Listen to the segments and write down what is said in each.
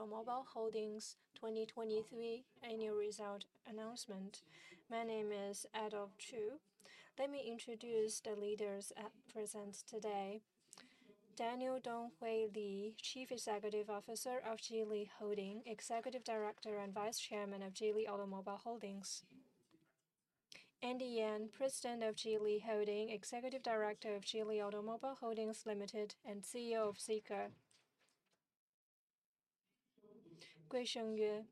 Geely Automobile Holdings 2023 annual results announcement. My name is Adolf Cui. Let me introduce the leaders present today. Daniel Donghui Li, Chief Executive Officer of Geely Holding Group, Executive Director and Vice Chairman of Geely Automobile Holdings. An Conghui, President of Geely Holding Group, Executive Director of Geely Automobile Holdings Limited, and CEO of Zeekr. Gui Shengyue,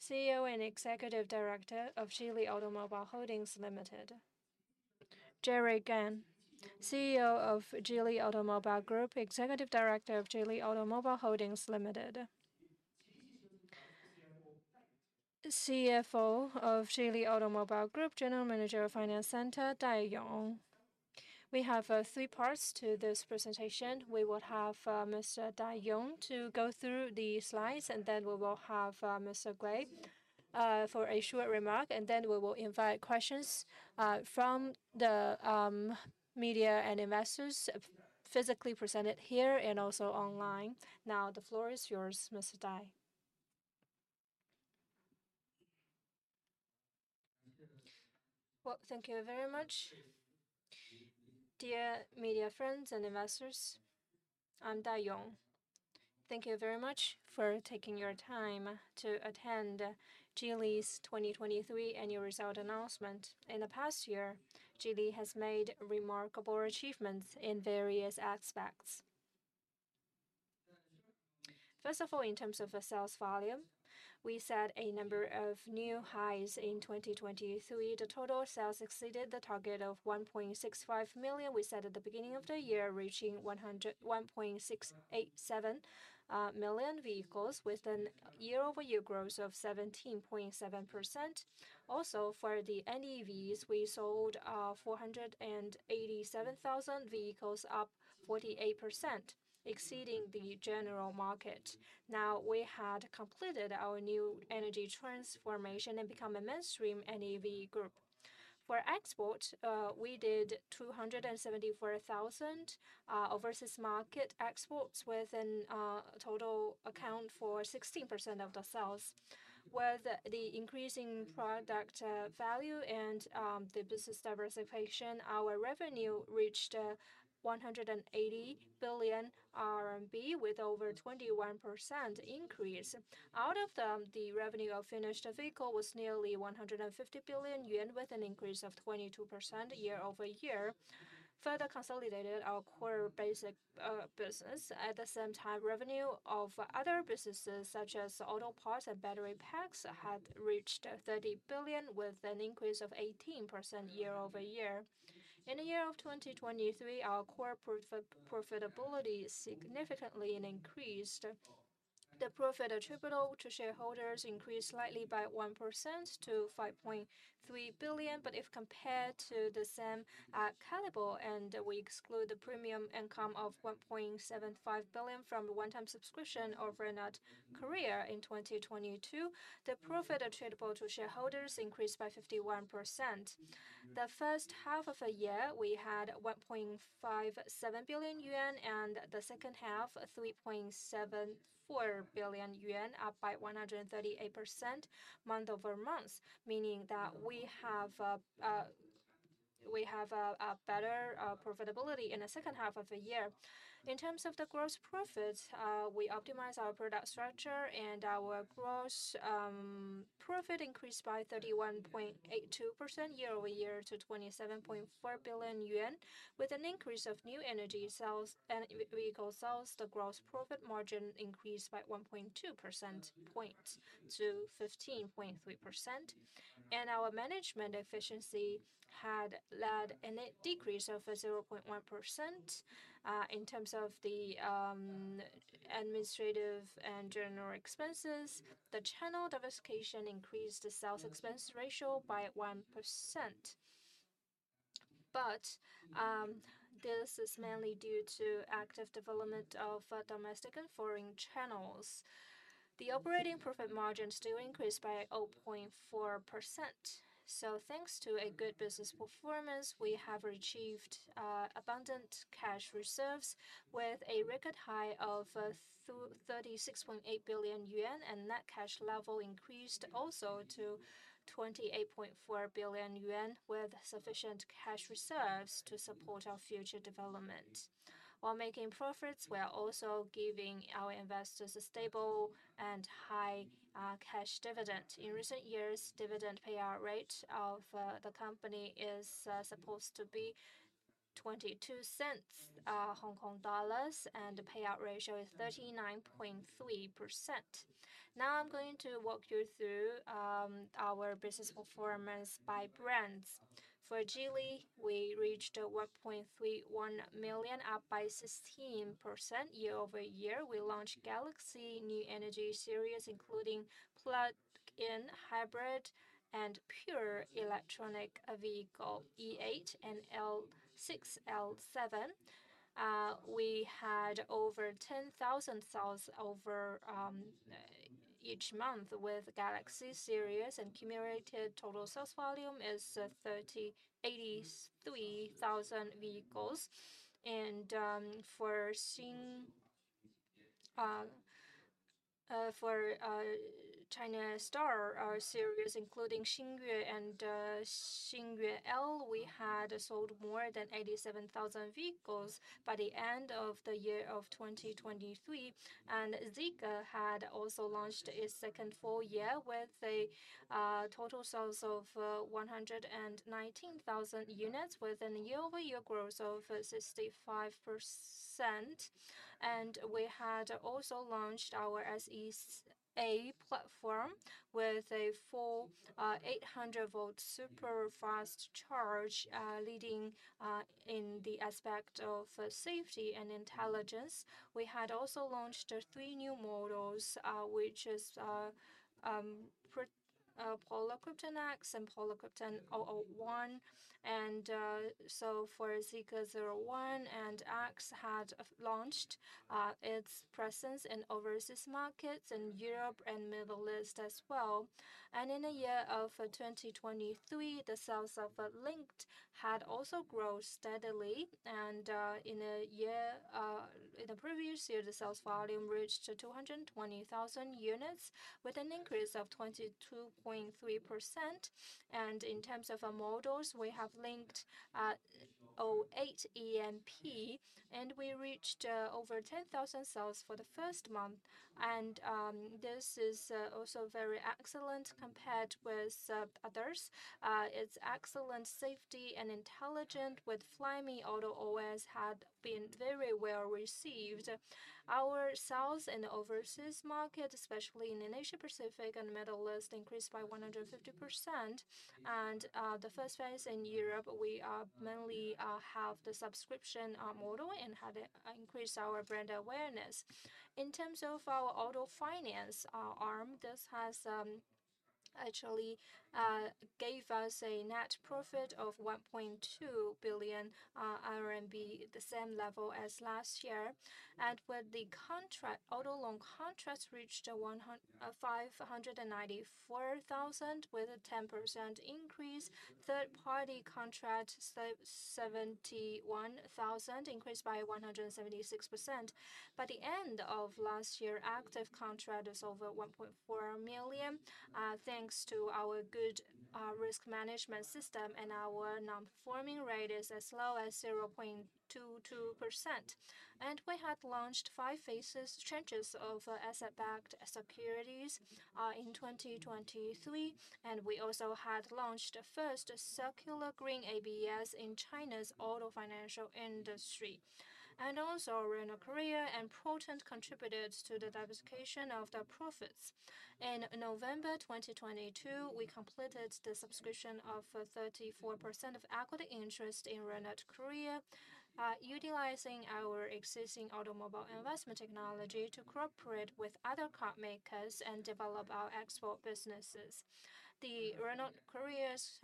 CEO and Executive Director of Geely Automobile Holdings Limited. Gan Jiayue, CEO of Geely Automobile Group, Executive Director of Geely Automobile Holdings Limited. CFO of Geely Automobile Group, General Manager of Finance Center, Dai Yong. We have three parts to this presentation. We will have Mr. Dai Yong to go through the slides, and then we will have Mr. Gui for a short remark, and then we will invite questions from the media and investors physically present here and also online. Now, the floor is yours, Mr. Well, thank you very much. Dear media friends and investors, I'm Dai Yong. Thank you very much for taking your time to attend Geely's 2023 annual result announcement. In the past year, Geely has made remarkable achievements in various aspects. First of all, in terms of the sales volume, we set a number of new highs in 2023. The total sales exceeded the target of 1.65 million we set at the beginning of the year, reaching 1.687 million vehicles, with a year-over-year growth of 17.7%. Also, for the NEVs, we sold 487,000 vehicles, up 48%, exceeding the general market. Now, we had completed our new energy transformation and become a mainstream NEV group. For export, we did 274,000 overseas market exports, with a total account for 16% of the sales. With the increasing product value and the business diversification, our revenue reached 180 billion RMB, with over 21% increase. Out of them, the revenue of finished vehicle was nearly 150 billion yuan, with an increase of 22% year-over-year, further consolidated our core basic business. At the same time, revenue of other businesses, such as auto parts and battery packs, had reached 30 billion, with an increase of 18% year-over-year. In the year of 2023, our core profitability significantly increased. The profit attributable to shareholders increased slightly by 1% to 5.3 billion. But if compared to the same caliber, and we exclude the premium income of 1.75 billion from a one-time subscription over at Korea in 2022, the profit attributable to shareholders increased by 51%. The first half of the year, we had 1.57 billion yuan, and the second half, 3.74 billion yuan, up by 138% month-over-month, meaning that we have, we have a, a better profitability in the second half of the year. In terms of the gross profits, we optimized our product structure, and our gross profit increased by 31.82% year-over-year to 27.4 billion yuan. With an increase of new energy sales and vehicle sales, the gross profit margin increased by 1.2 percentage points to 15.3%, and our management efficiency had led a net decrease of 0.1%. In terms of the administrative and general expenses, the channel diversification increased the sales expense ratio by 1%. But this is mainly due to active development of domestic and foreign channels. The operating profit margins do increase by 0.4%. So thanks to a good business performance, we have achieved abundant cash reserves with a record high of 36.8 billion yuan, and net cash level increased also to 28.4 billion yuan, with sufficient cash reserves to support our future development. While making profits, we are also giving our investors a stable and high cash dividend. In recent years, dividend payout rate of the company is supposed to be HK$0.22, and the payout ratio is 39.3%. Now, I'm going to walk you through our business performance by brands. For Geely, we reached 1.31 million, up by 16% year-over-year. We launched Galaxy new energy series, including plug-in hybrid and pure electric vehicle, E8 and L6, L7. We had over 10,000 sales over each month with Galaxy series, and cumulative total sales volume is 38,300 vehicles. For Xing for China Star, our series, including Xingyue and Xingyue L, we had sold more than 87,000 vehicles by the end of the year of 2023. Zeekr had also launched its second full year with a total sales of 119,000 units, with a year-over-year growth of 65%. We had also launched our SEA platform with a full 800V super-fast charge, leading in the aspect of safety and intelligence. We had also launched three new models, which is Polestar, Zeekr X, and Zeekr 001. Zeekr 001 and X had launched its presence in overseas markets, in Europe and Middle East as well. In the year of 2023, the sales of Lynk had also grown steadily. In the year, In the previous year, the sales volume reached to 220,000 units, with an increase of 22.3%. In terms of our models, we have Lynk & Co 08 EM-P, and we reached over 10,000 sales for the first month. This is also very excellent compared with others. Its excellent safety and intelligent with Flyme Auto OS had been very well received. Our sales in the overseas market, especially in the Asia-Pacific and Middle East, increased by 150%. The first phase in Europe, we mainly have the subscription model and had increased our brand awareness. In terms of our auto finance arm, this has actually gave us a net profit of 1.2 billion RMB, the same level as last year. And with the contract, auto loan contracts reached 194,000, with a 10% increase. Third-party contract, 71,000, increased by 176%. By the end of last year, active contract is over 1.4 million, thanks to our good risk management system, and our non-performing rate is as low as 0.22%. And we had launched five tranches of asset-backed securities in 2023, and we also had launched the first circular green ABS in China's auto financial industry. And also, Renault Korea and Proton contributed to the diversification of their profits. In November 2022, we completed the subscription of 34% of equity interest in Renault Korea, utilizing our existing automobile investment technology to cooperate with other car makers and develop our export businesses. The Renault Korea's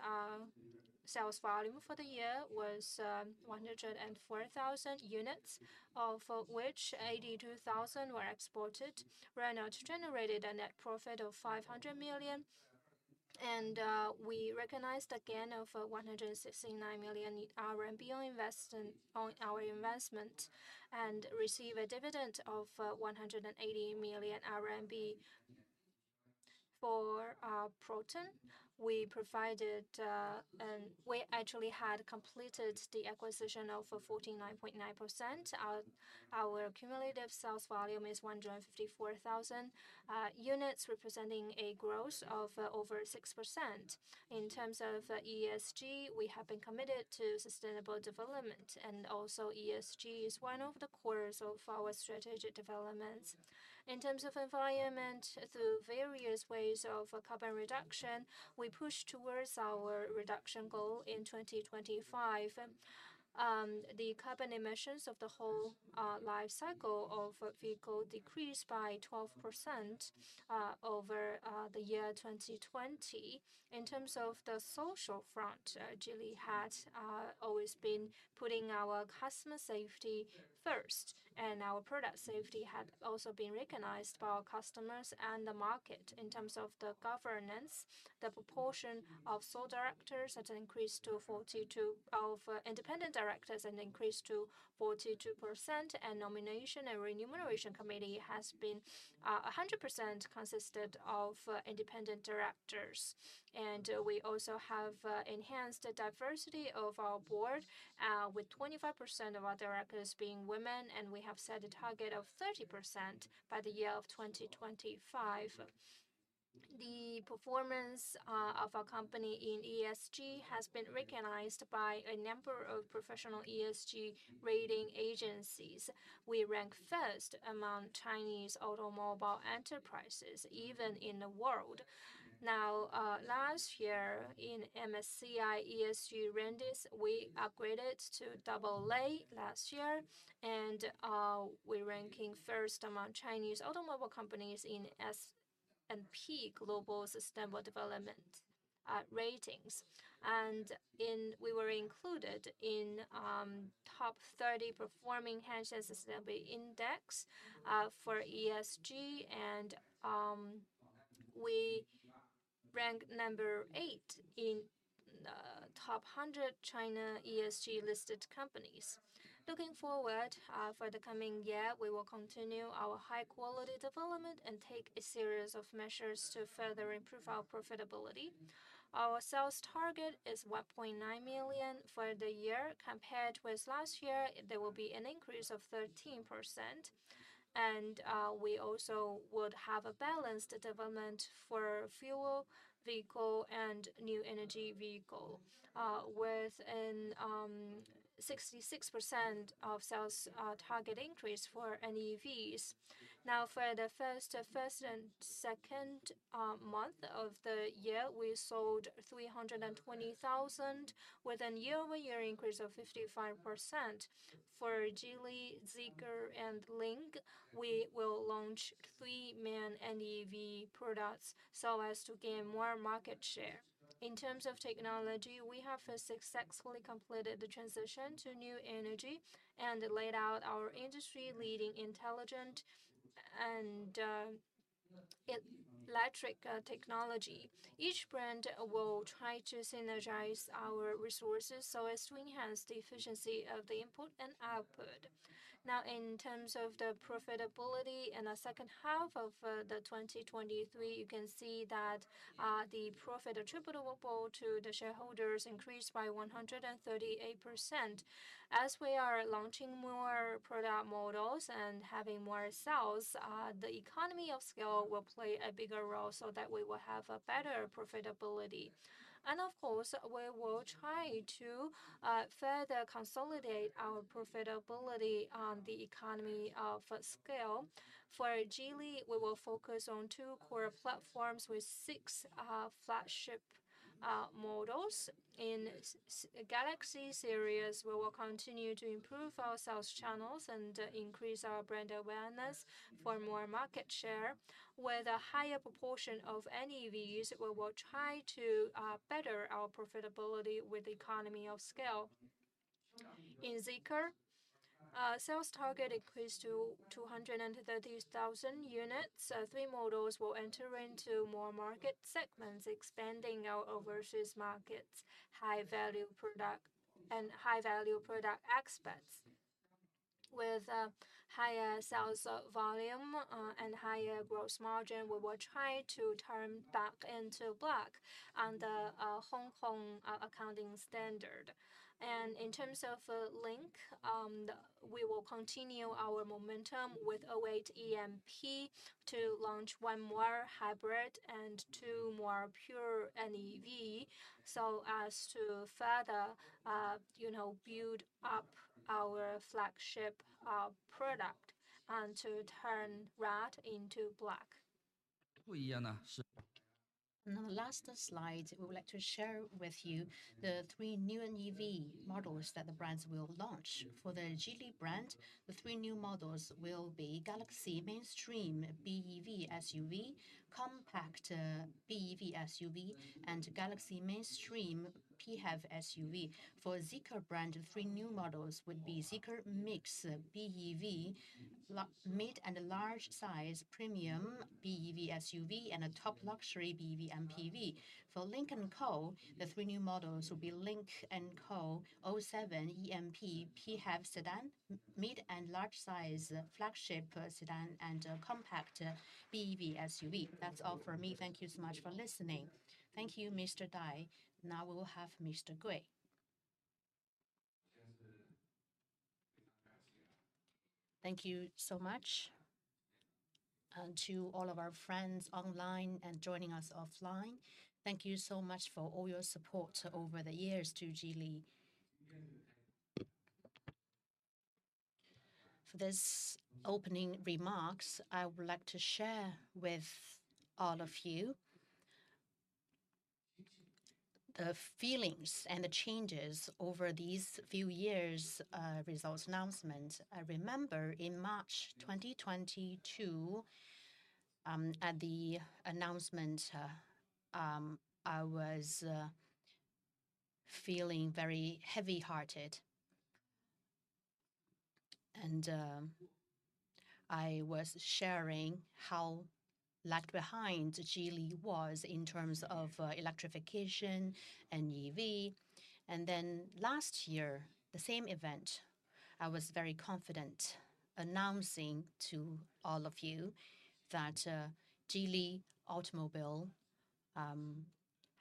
sales volume for the year was 104,000 units, of which 82,000 were exported. Renault generated a net profit of 500 million, and we recognized a gain of 169 million RMB on our investment, and received a dividend of 180 million RMB. For Proton, we provided, and we actually had completed the acquisition of 49.9%. Our cumulative sales volume is 154,000 units, representing a growth of over 6%. In terms of ESG, we have been committed to sustainable development, and also ESG is one of the cores of our strategic developments. In terms of environment, through various ways of carbon reduction, we pushed towards our reduction goal in 2025. The carbon emissions of the whole life cycle of a vehicle decreased by 12% over the year 2020. In terms of the social front, Geely had always been putting our customer safety first, and our product safety had also been recognized by our customers and the market. In terms of the governance, the proportion of independent directors had increased to 42%, and Nomination and Remuneration Committee has been 100% consisted of independent directors. We also have enhanced the diversity of our board with 25% of our directors being women, and we have set a target of 30% by the year of 2025. The performance of our company in ESG has been recognized by a number of professional ESG rating agencies. We rank first among Chinese automobile enterprises, even in the world. Now, last year in MSCI ESG ratings, we upgraded to AA last year, and, we're ranking first among Chinese automobile companies in S&P Global Sustainable Development ratings. And in, we were included in, top 30 performing Hang Seng Sustainability Index, for ESG, and, we ranked number 8 in, top 100 China ESG-listed companies. Looking forward, for the coming year, we will continue our high-quality development and take a series of measures to further improve our profitability. Our sales target is 1.9 million for the year. Compared with last year, there will be an increase of 13%, and, we also would have a balanced development for fuel vehicle and new energy vehicle, with an, 66% of sales, target increase for NEVs. Now, for the first and second month of the year, we sold 320,000, with a 55% year-over-year increase. For Geely, Zeekr, and Lynk, we will launch three main NEV products so as to gain more market share. In terms of technology, we have successfully completed the transition to new energy and laid out our industry-leading intelligent and electric technology. Each brand will try to synergize our resources so as to enhance the efficiency of the input and output. Now, in terms of the profitability in the second half of 2023, you can see that the profit attributable to the shareholders increased by 138%. As we are launching more product models and having more sales, the economy of scale will play a bigger role so that we will have a better profitability. And of course, we will try to further consolidate our profitability on the economy of scale. For Geely, we will focus on two core platforms with six flagship models. In Galaxy series, we will continue to improve our sales channels and increase our brand awareness for more market share. With a higher proportion of NEVs, we will try to better our profitability with economy of scale. In Zeekr, sales target increased to 230,000 units. Three models will enter into more market segments, expanding our overseas markets, high-value product, and high-value product exports. With higher sales volume and higher gross margin, we will try to turn back into black on the Hong Kong accounting standard. In terms of Lynk, we will continue our momentum with 08 EM-P to launch one more hybrid and two more pure NEV, so as to further, you know, build up our flagship product and to turn red into black. In the last slide, we would like to share with you the three new NEV models that the brands will launch. For the Geely brand, the three new models will be Galaxy mainstream BEV SUV, compact BEV SUV, and Galaxy mainstream PHEV SUV. For Zeekr brand, three new models would be Zeekr Mix, BEV mid- and large-size premium BEV SUV, and a top luxury BEV MPV. For Lynk & Co, the three new models will be Lynk & Co 07 EM-P PHEV sedan, mid- and large-size flagship sedan, and a compact BEV SUV. That's all for me. Thank you so much for listening. Thank you, Mr. Dai. Now we will have Mr. Gui. Thank you so much, and to all of our friends online and joining us offline, thank you so much for all your support over the years to Geely. For this opening remarks, I would like to share with all of you the feelings and the changes over these few years' results announcement. I remember in March 2022, at the announcement, I was feeling very heavy-hearted. And I was sharing how lagged behind Geely was in terms of electrification, NEV. And then last year, the same event, I was very confident announcing to all of you that Geely Automobile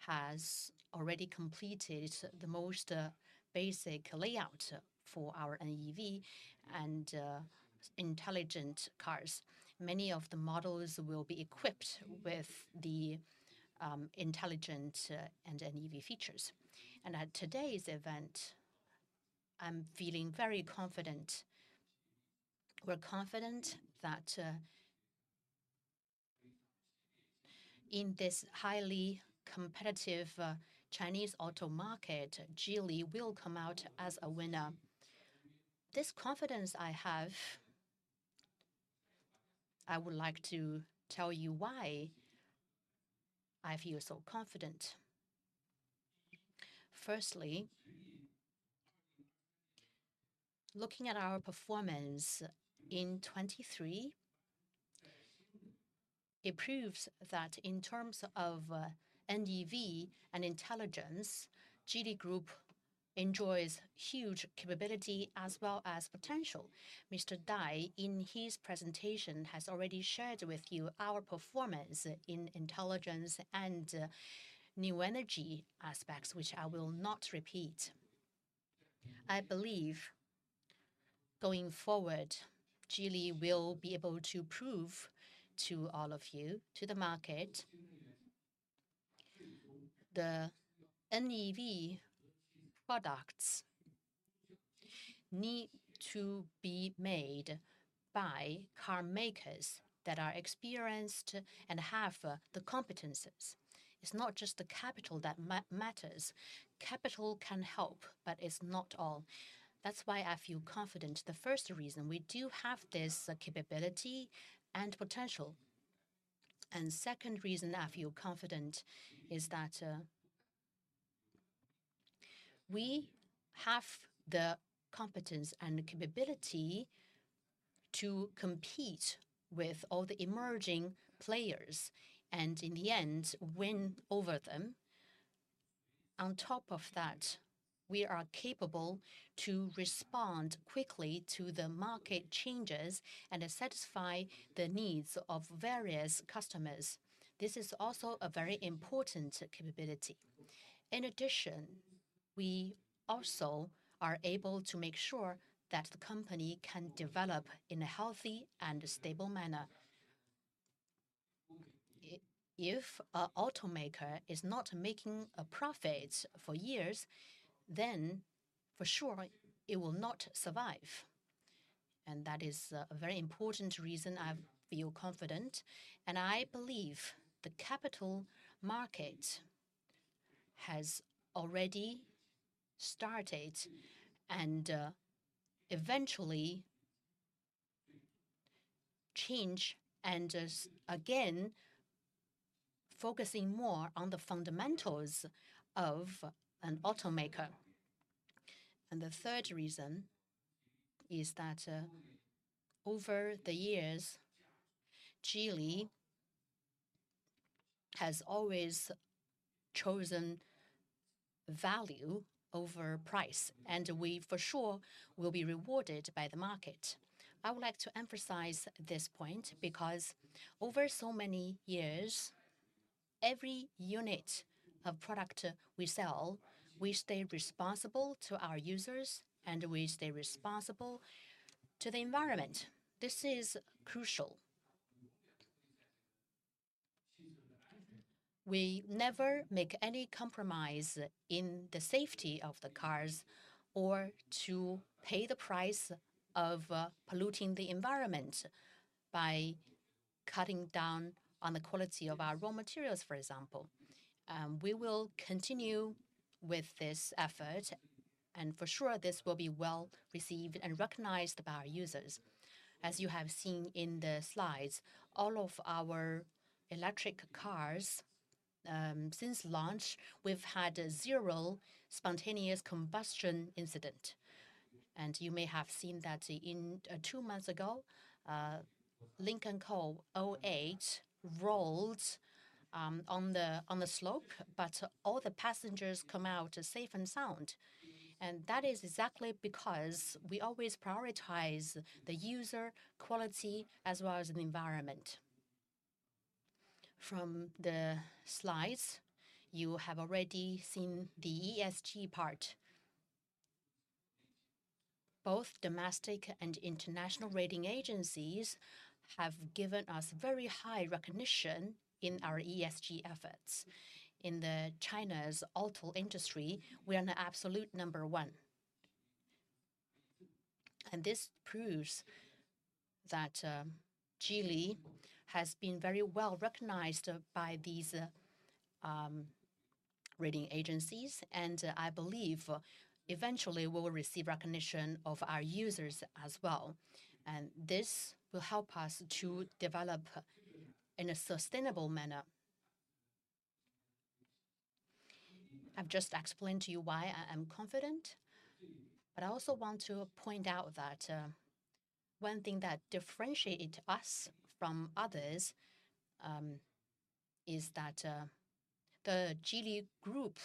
has already completed the most basic layout for our NEV and intelligent cars. Many of the models will be equipped with the intelligent and NEV features. And at today's event, I'm feeling very confident. We're confident that in this highly competitive Chinese auto market, Geely will come out as a winner. This confidence I have-... I would like to tell you why I feel so confident. Firstly, looking at our performance in 2023, it proves that in terms of NEV and intelligence, Geely Group enjoys huge capability as well as potential. Mr. Dai, in his presentation, has already shared with you our performance in intelligence and new energy aspects, which I will not repeat. I believe, going forward, Geely will be able to prove to all of you, to the market, the NEV products need to be made by car makers that are experienced and have the competencies. It's not just the capital that matters. Capital can help, but it's not all. That's why I feel confident. The first reason, we do have this capability and potential. And second reason I feel confident is that, we have the competence and the capability to compete with all the emerging players, and in the end, win over them. On top of that, we are capable to respond quickly to the market changes and satisfy the needs of various customers. This is also a very important capability. In addition, we also are able to make sure that the company can develop in a healthy and a stable manner. If an automaker is not making a profit for years, then for sure it will not survive, and that is a, a very important reason I feel confident. And I believe the capital market has already started, and, eventually change and is again, focusing more on the fundamentals of an automaker. The third reason is that, over the years, Geely has always chosen value over price, and we for sure will be rewarded by the market. I would like to emphasize this point because over so many years, every unit of product we sell, we stay responsible to our users, and we stay responsible to the environment. This is crucial. We never make any compromise in the safety of the cars or to pay the price of, polluting the environment by cutting down on the quality of our raw materials, for example. We will continue with this effort, and for sure, this will be well-received and recognized by our users. As you have seen in the slides, all of our electric cars, since launch, we've had zero spontaneous combustion incident. And you may have seen that in, Two months ago, Lynk & Co 08 rolled on the slope, but all the passengers come out safe and sound. That is exactly because we always prioritize the user quality as well as the environment. From the slides, you have already seen the ESG part. Both domestic and international rating agencies have given us very high recognition in our ESG efforts. In the China's auto industry, we are an absolute number one. This proves that Geely has been very well recognized by these rating agencies, and I believe eventually we will receive recognition of our users as well, and this will help us to develop in a sustainable manner. I've just explained to you why I am confident, but I also want to point out that one thing that differentiate us from others is that the Geely Group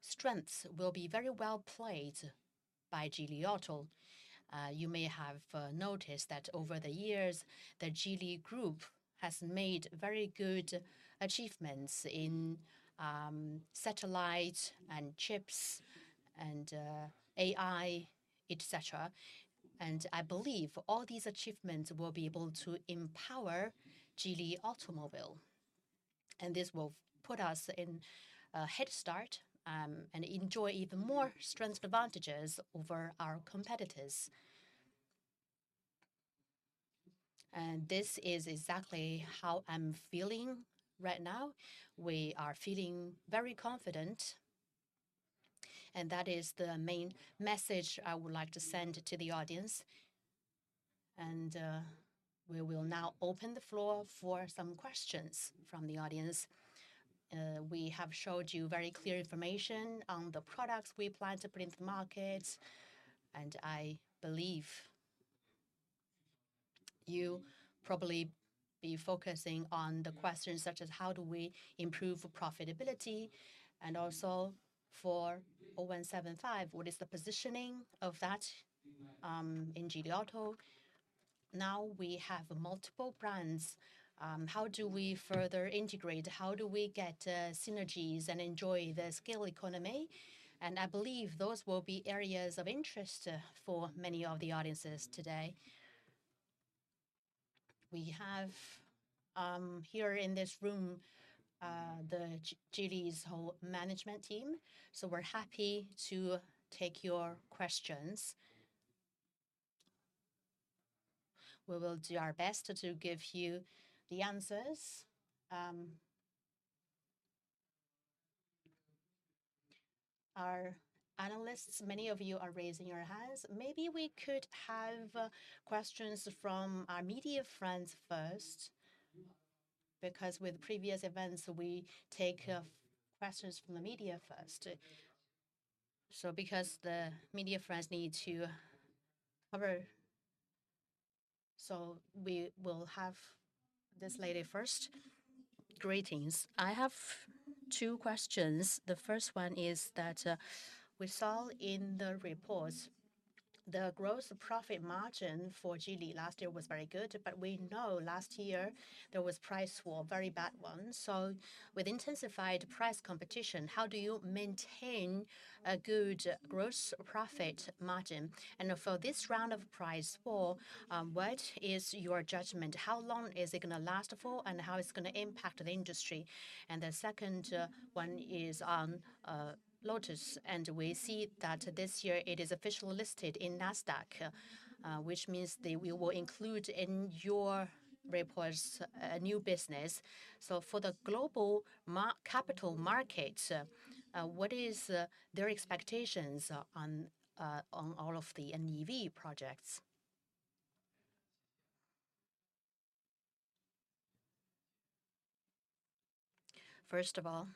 strength will be very well played by Geely Auto. You may have noticed that over the years, the Geely Group has made very good achievements in satellite and chips and AI, et cetera. And I believe all these achievements will be able to empower Geely Automobile, and this will put us in a head start and enjoy even more strength advantages over our competitors. And this is exactly how I'm feeling right now. We are feeling very confident, and that is the main message I would like to send to the audience. And we will now open the floor for some questions from the audience. We have showed you very clear information on the products we plan to put into the market, and I believe you'll probably be focusing on the questions such as: How do we improve profitability? And also for 0175, what is the positioning of that in Geely Auto? Now we have multiple brands, how do we further integrate? How do we get synergies and enjoy the scale economy? And I believe those will be areas of interest for many of the audiences today. We have here in this room the Geely's whole management team, so we're happy to take your questions. We will do our best to give you the answers. Our analysts, many of you are raising your hands. Maybe we could have questions from our media friends first, because with previous events, we take questions from the media first. So because the media friends need to cover, so we will have this lady first. Greetings. I have two questions. The first one is that we saw in the reports the gross profit margin for Geely last year was very good, but we know last year there was price war, very bad one. So with intensified price competition, how do you maintain a good gross profit margin? And for this round of price war, what is your judgment? How long is it gonna last for, and how it's gonna impact the industry? And the second one is on Lotus, and we see that this year it is officially listed in Nasdaq, which means that we will include in your reports a new business. So for the global capital market, what is their expectations on all of the NEV projects? First of all,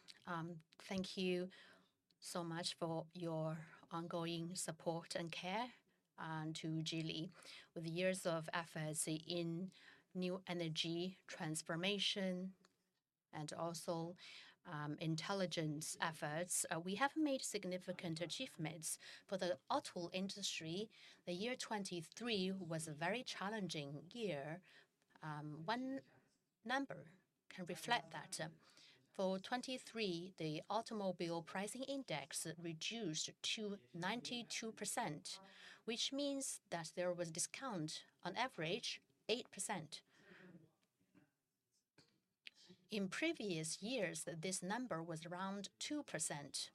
thank you so much for your ongoing support and care to Geely. With years of efforts in new energy transformation and also intelligence efforts, we have made significant achievements. For the auto industry, the year 2023 was a very challenging year. One number can reflect that. For 2023, the automobile pricing index reduced to 92%, which means that there was discount on average 8%. In previous years, this number was around 2%,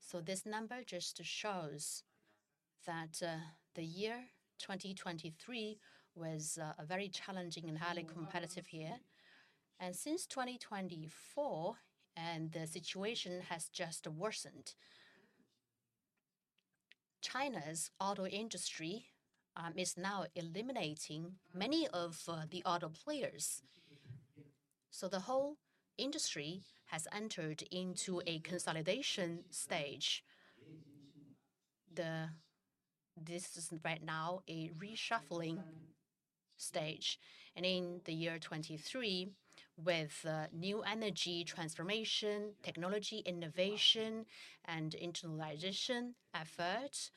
so this number just shows that the year 2023 was a very challenging and highly competitive year. And since 2024, the situation has just worsened. China's auto industry is now eliminating many of the auto players. So the whole industry has entered into a consolidation stage. This is right now a reshuffling stage, and in the year 2023, with new energy transformation, technology innovation, and internationalization effort,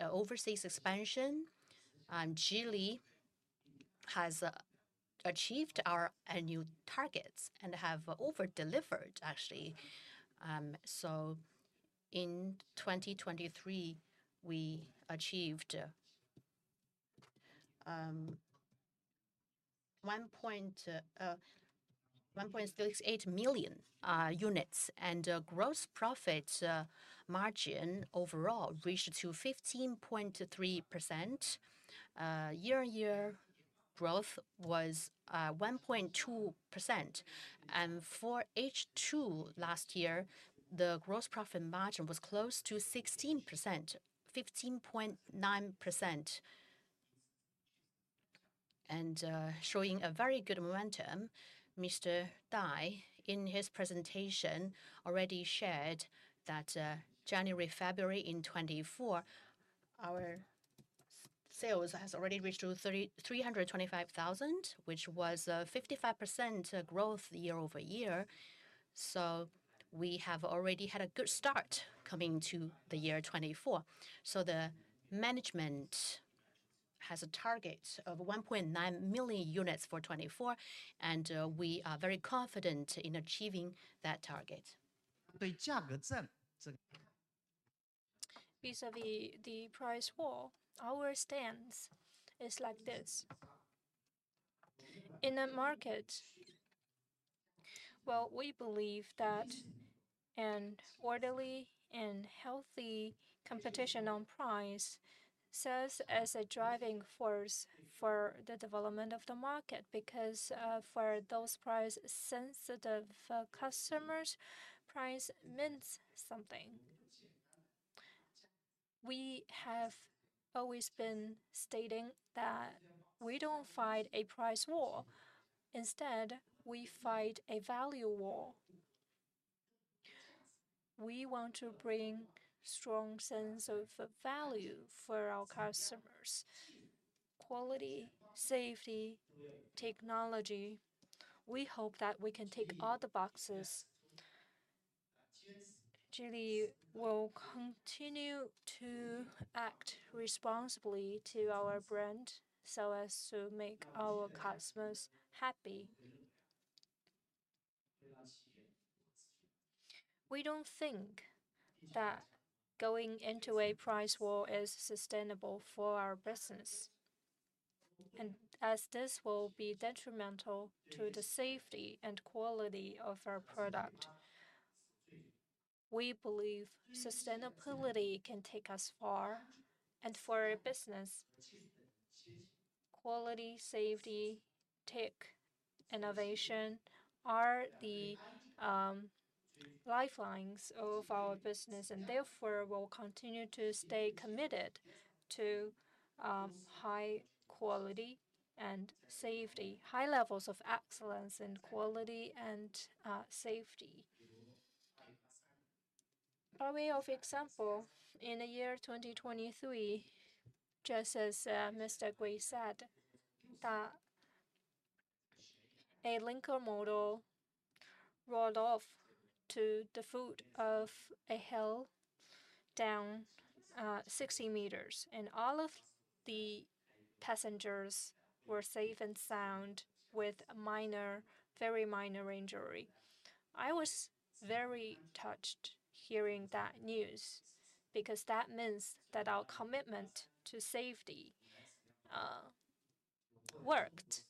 overseas expansion, Geely has achieved our annual targets and have over-delivered, actually. So in 2023, we achieved 1.68 million units, and gross profit margin overall reached 15.3%. Year-on-year growth was 1.2%, and for H2 last year, the gross profit margin was close to 16%, 15.9%, and showing a very good momentum. Mr. Dai, in his presentation, already shared that January-February 2024, our sales has already reached 332,500, which was a 55% growth year-over-year. So we have already had a good start coming to the year 2024. So the management has a target of 1.9 million units for 2024, and we are very confident in achieving that target. Vis-a-vis the price war, our stance is like this: In the market, well, we believe that an orderly and healthy competition on price serves as a driving force for the development of the market, because, for those price-sensitive, customers, price means something. We have always been stating that we don't fight a price war. Instead, we fight a value war. We want to bring strong sense of value for our customers: quality, safety, technology. We hope that we can tick all the boxes. Geely will continue to act responsibly to our brand so as to make our customers happy. We don't think that going into a price war is sustainable for our business, and as this will be detrimental to the safety and quality of our product, we believe sustainability can take us far. For our business, quality, safety, tech, innovation are the lifelines of our business, and therefore, we'll continue to stay committed to high quality and safety, high levels of excellence in quality and safety. By way of example, in the year 2023, just as Mr. Gui said, that a Lynk & Co model rolled off to the foot of a hill, down 60 meters, and all of the passengers were safe and sound with minor, very minor injury. I was very touched hearing that news because that means that our commitment to safety worked.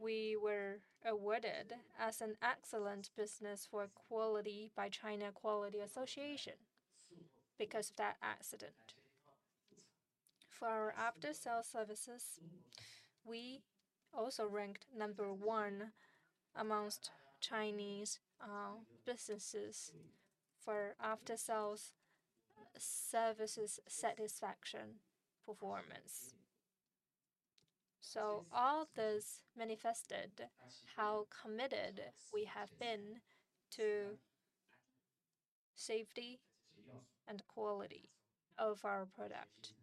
We were awarded as an excellent business for quality by China Quality Association because of that accident. For our after-sales services, we also ranked number one amongst Chinese businesses for after-sales services satisfaction performance. So all this manifested how committed we have been to safety and quality of our product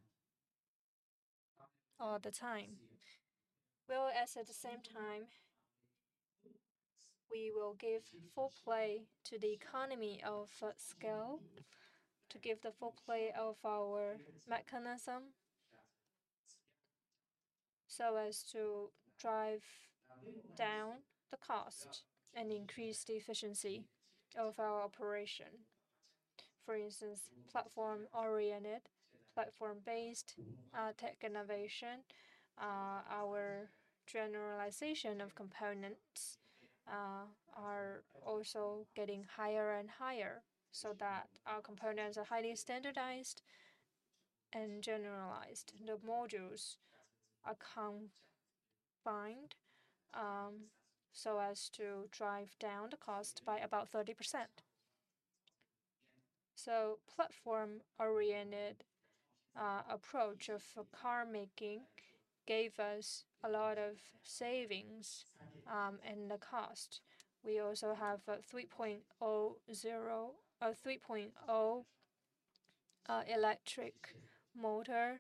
all the time. Well, at the same time, we will give full play to the economy of scale, to give the full play of our mechanism, so as to drive down the cost and increase the efficiency of our operation. For instance, platform-oriented, platform-based, tech innovation. Our generalization of components are also getting higher and higher, so that our components are highly standardized and generalized. The modules are combined, so as to drive down the cost by about 30%. So platform-oriented approach of carmaking gave us a lot of savings in the cost. We also have a 3.0... A 3.0 electric motor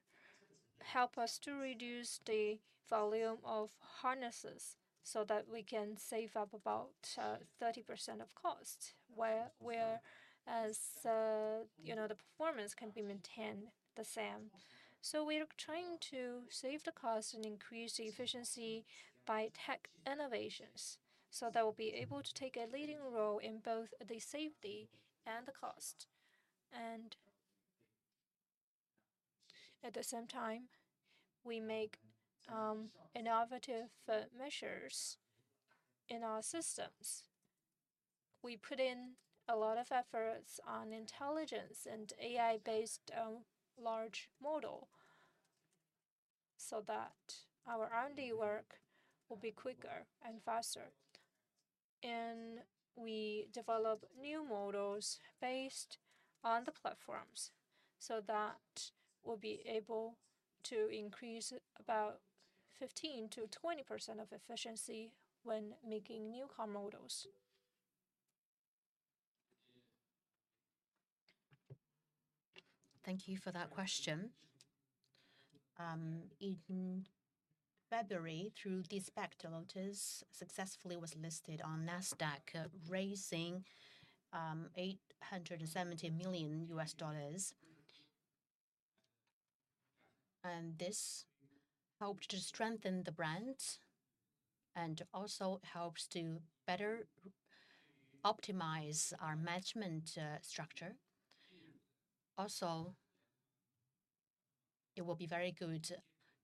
helps us to reduce the volume of harnesses so that we can save up about 30% of cost, whereas, you know, the performance can be maintained the same. So we are trying to save the cost and increase the efficiency by tech innovations, so that we'll be able to take a leading role in both the safety and the cost. And at the same time, we make innovative measures in our systems. We put in a lot of efforts on intelligence and AI-based large model, so that our R&D work will be quicker and faster. And we develop new models based on the platforms, so that we'll be able to increase about 15%-20% of efficiency when making new car models. Thank you for that question. In February, through the Lotus successfully was listed on Nasdaq, raising $870 million. And this helped to strengthen the brand and also helps to better optimize our management structure. It will be very good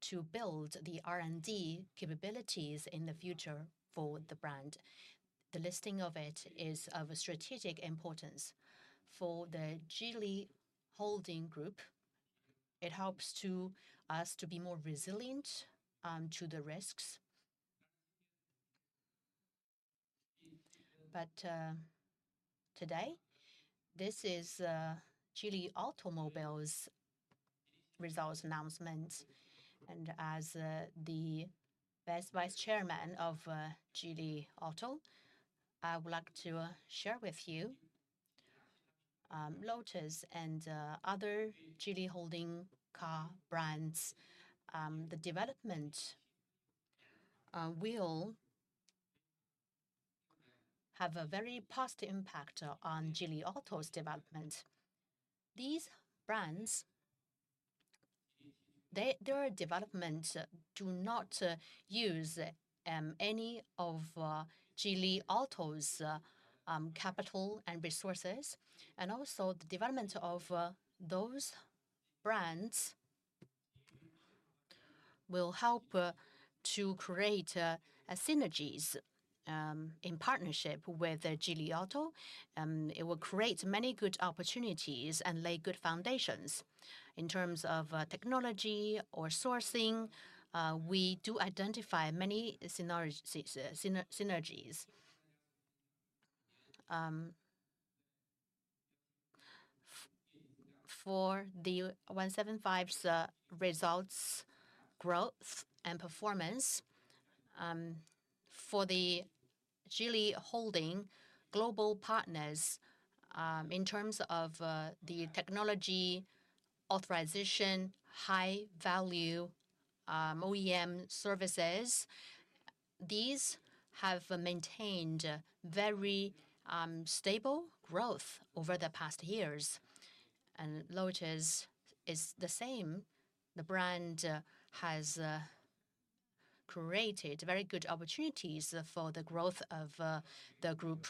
to build the R&D capabilities in the future for the brand. The listing of it is of a strategic importance for the Geely Holding Group. It helps to us to be more resilient to the risks. But today, this is Geely Automobile's results announcement, and as the Vice Chairman of Geely Auto, I would like to share with you Lotus and other Geely Holding car brands the development will have a very positive impact on Geely Auto's development. These brands, their development do not use any of Geely Auto's capital and resources, and also the development of those brands will help to create a synergies in partnership with the Geely Auto. It will create many good opportunities and lay good foundations. In terms of technology or sourcing, we do identify many synergies. For the 175's results, growth, and performance for the Geely Holding global partners, in terms of the technology, authorization, high value OEM services, these have maintained a very stable growth over the past years, and Lotus is the same. The brand has created very good opportunities for the growth of the group.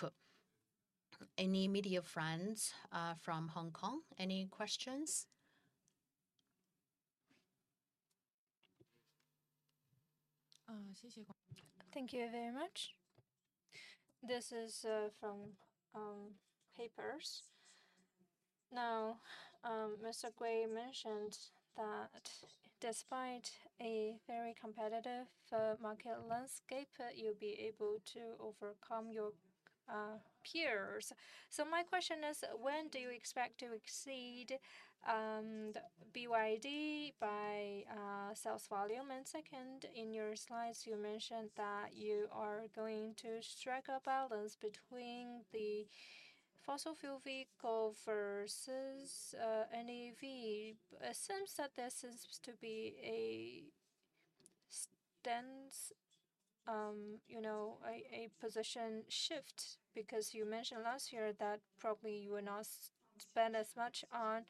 Any media friends from Hong Kong, any questions? Thank you. Thank you very much. This is from The Paper. Now, Mr. Gui mentioned that despite a very competitive market landscape, you'll be able to overcome your peers. So my question is: When do you expect to exceed BYD by sales volume? And second, in your slides, you mentioned that you are going to strike a balance between the fossil fuel vehicle versus an EV. It seems that this is to be a stance, you know, a position shift, because you mentioned last year that probably you will not spend as much on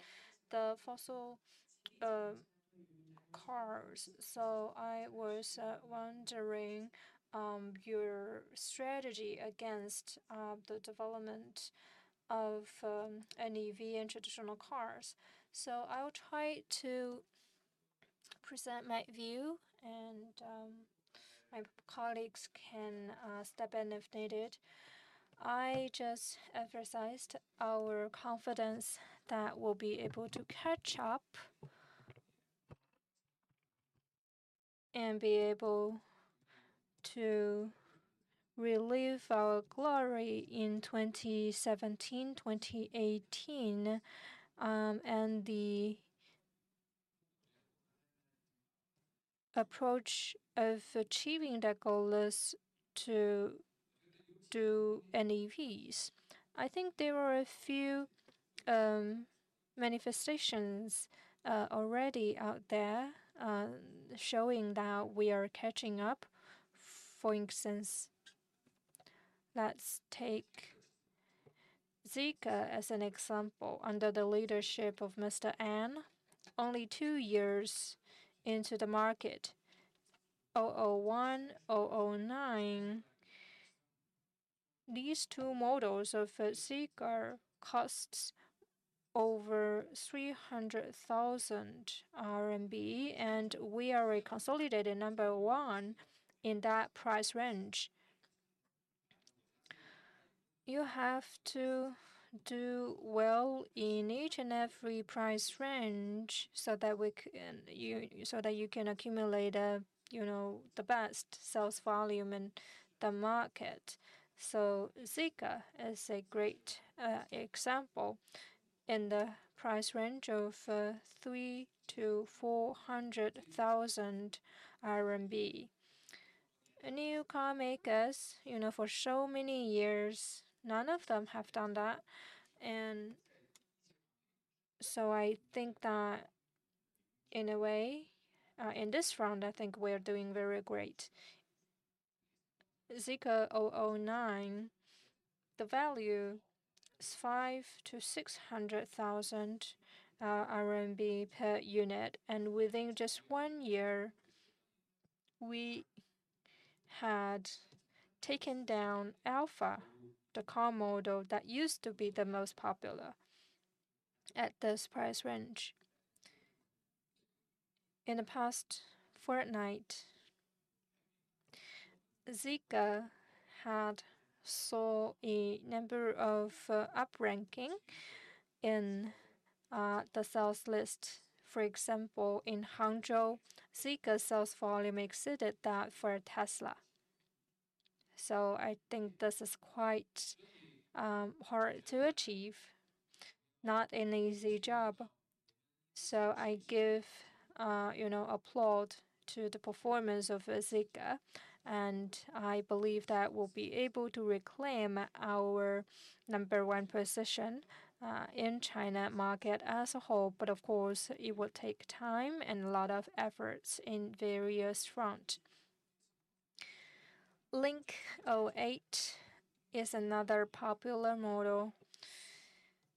the fossil cars. So I was wondering your strategy against the development of an EV and traditional cars. So I will try to present my view, and my colleagues can step in if needed. I just emphasized our confidence that we'll be able to catch up and be able to relive our glory in 2017, 2018, and the approach of achieving that goal is to do NEVs. I think there are a few manifestations already out there showing that we are catching up. For instance, let's take Zeekr as an example. Under the leadership of Mr. An, only two years into the market, Zeekr 001, Zeekr 009, these two models of Zeekr cost over 300,000 RMB, and we are a consolidated number one in that price range. You have to do well in each and every price range so that you can accumulate, you know, the best sales volume in the market. So Zeekr is a great example in the price range of 300,000-400,000 RMB. A new car makers, you know, for so many years, none of them have done that, and so I think that in a way, in this round, I think we're doing very great. Zeekr 009, the value is 500,000- 600,000 RMB RMB per unit, and within just one year we had taken down Alpha, the car model that used to be the most popular at this price range. In the past fortnight, Zeekr had saw a number of upranking in the sales list. For example, in Hangzhou, Zeekr sales volume exceeded that for Tesla. So I think this is quite hard to achieve, not an easy job. So I give, you know, applause to the performance of Zeekr, and I believe that we'll be able to reclaim our number one position in China market as a whole, but of course, it will take time and a lot of efforts in various fronts. Lynk 08 is another popular model.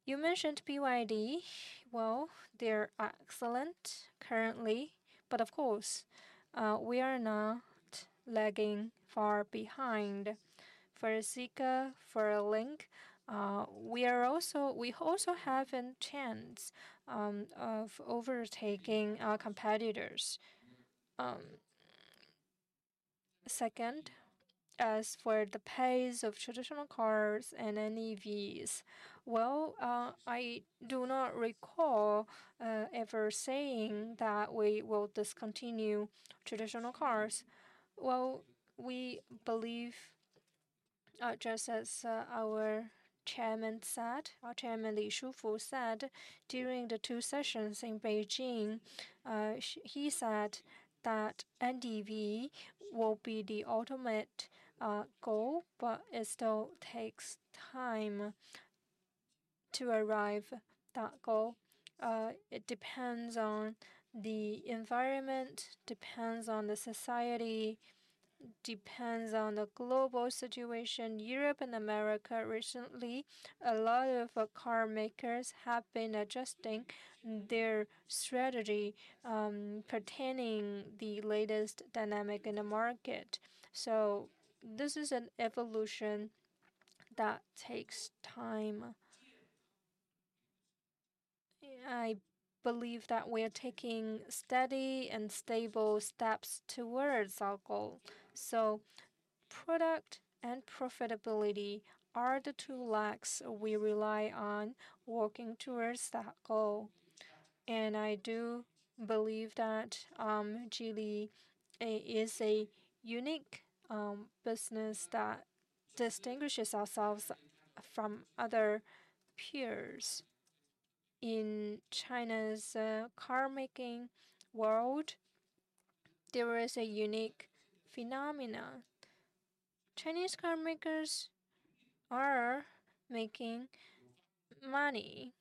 You mentioned BYD. Well, they're excellent currently, but of course, we are not lagging far behind. For Zeekr, for Lynk, we also have a chance of overtaking our competitors. Second, as for the pace of traditional cars and NEVs, well, I do not recall ever saying that we will discontinue traditional cars. Well, we believe, just as our chairman said, our Chairman Li Shufu said during the two sessions in Beijing, he said that NEV will be the ultimate goal, but it still takes time to arrive that goal. It depends on the environment, depends on the society, depends on the global situation. Europe and America recently, a lot of car makers have been adjusting their strategy, pertaining the latest dynamic in the market. This is an evolution that takes time. I believe that we are taking steady and stable steps towards our goal. Product and profitability are the two legs we rely on working towards that goal, and I do believe that Geely is a unique business that distinguishes ourselves from other peers. In China's carmaking world, there is a unique phenomena. Chinese carmakers are making money.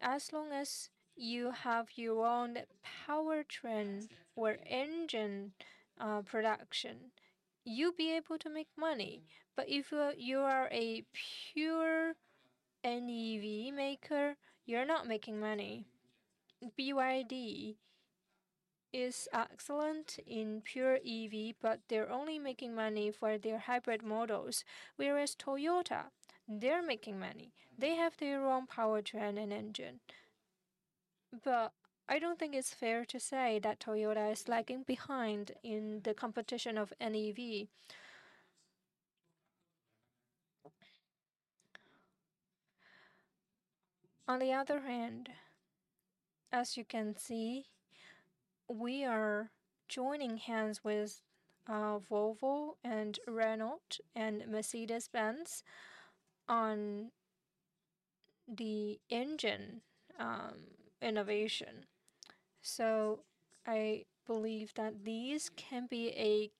As long as you have your own powertrain or engine production, you'll be able to make money. But if you are a pure NEV maker, you're not making money. BYD is excellent in pure EV, but they're only making money for their hybrid models. Whereas Toyota, they're making money. They have their own powertrain and engine. But I don't think it's fair to say that Toyota is lagging behind in the competition of NEV. On the other hand, as you can see, we are joining hands with Volvo and Renault and Mercedes-Benz on the engine innovation. So I believe that these can be a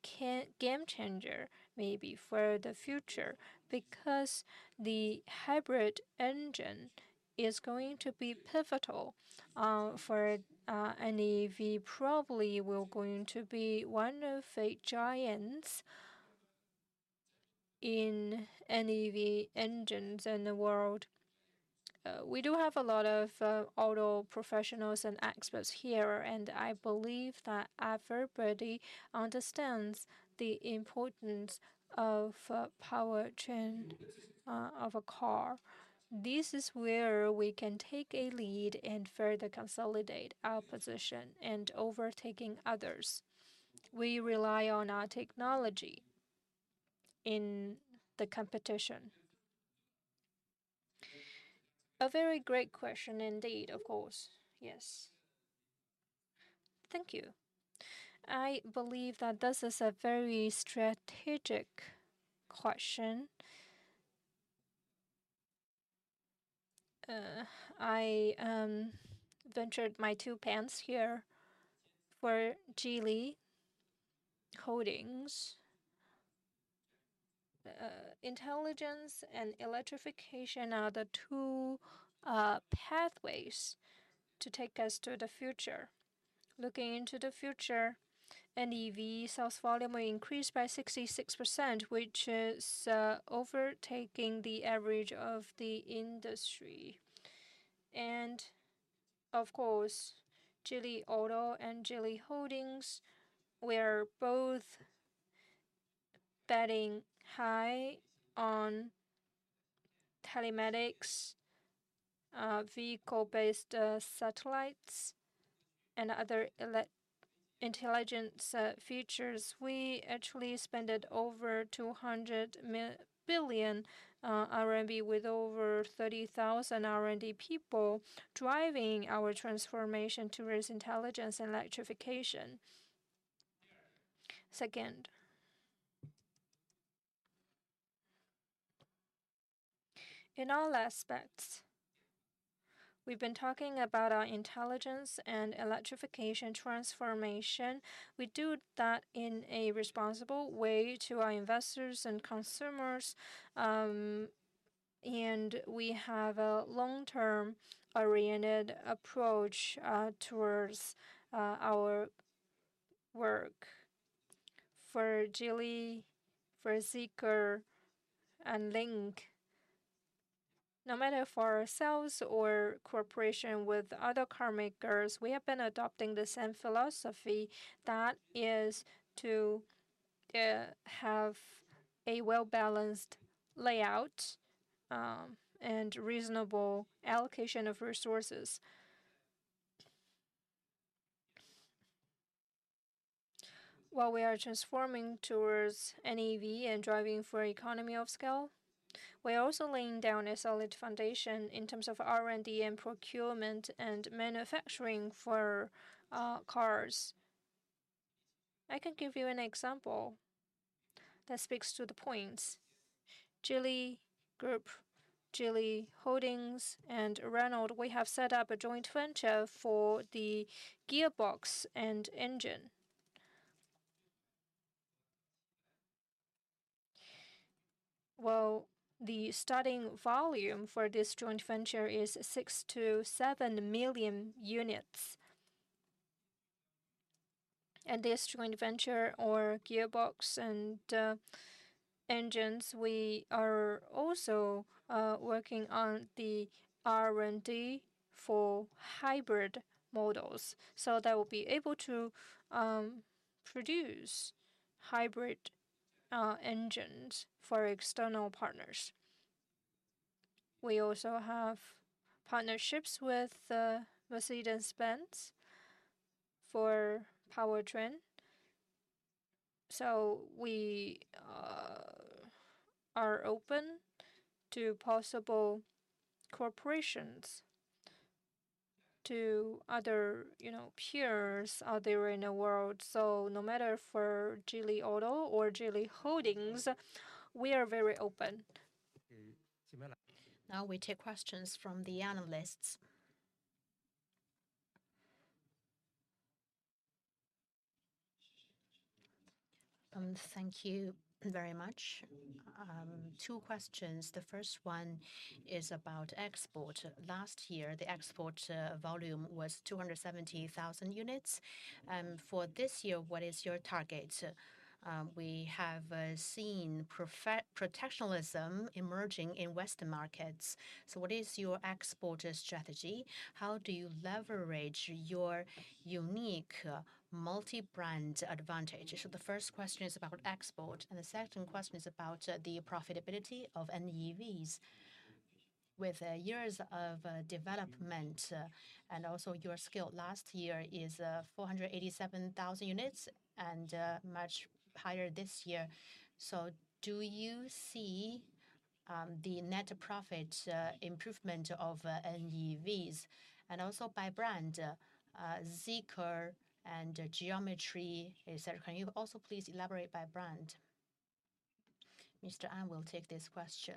game changer, maybe for the future, because the hybrid engine is going to be pivotal for NEV. Probably, we're going to be one of the giants in NEV engines in the world. We do have a lot of auto professionals and experts here, and I believe that everybody understands the importance of powertrain of a car. This is where we can take a lead and further consolidate our position and overtaking others. We rely on our technology in the competition. A very great question indeed, of course. Yes. Thank you. I believe that this is a very strategic question. I ventured my two pence here for Geely Holdings. Intelligence and electrification are the two pathways to take us to the future. Looking into the future, NEV sales volume will increase by 66%, which is overtaking the average of the industry. And of course, Geely Auto and Geely Holdings, we're both betting high on telematics, vehicle-based satellites, and other intelligence features. We actually spent over 200 billion RMB, with over 30,000 R&D people, driving our transformation towards intelligence and electrification. Second, in all aspects, we've been talking about our intelligence and electrification transformation. We do that in a responsible way to our investors and consumers, and we have a long-term oriented approach towards our work. For Geely, for Zeekr and Lynk, no matter for ourselves or cooperation with other car makers, we have been adopting the same philosophy, that is to have a well-balanced layout, and reasonable allocation of resources. While we are transforming towards NEV and driving for economy of scale, we're also laying down a solid foundation in terms of R&D and procurement and manufacturing for cars. I can give you an example that speaks to the points. Geely Group, Geely Holdings, and Renault, we have set up a joint venture for the gearbox and engine. Well, the starting volume for this joint venture is 6-7 million units. And this joint venture or gearbox and engines, we are also working on the R&D for hybrid models, so that we'll be able to produce hybrid engines for external partners. We also have partnerships with Mercedes-Benz for powertrain, so we are open to possible corporations, to other, you know, peers out there in the world. So no matter for Geely Auto or Geely Holdings, we are very open. Now we take questions from the analysts. Thank you very much. Two questions. The first one is about export. Last year, the export volume was 270,000 units. For this year, what is your target? We have seen protectionism emerging in Western markets. So what is your export strategy? How do you leverage your unique multi-brand advantage? So the first question is about export, and the second question is about the profitability of NEVs. With years of development and also your scale, last year is 487,000 units, and much higher this year. So do you see the net profit improvement of NEVs? And also by brand, Zeekr and Geometry, et cetera. Can you also please elaborate by brand? Mr. An will take this question.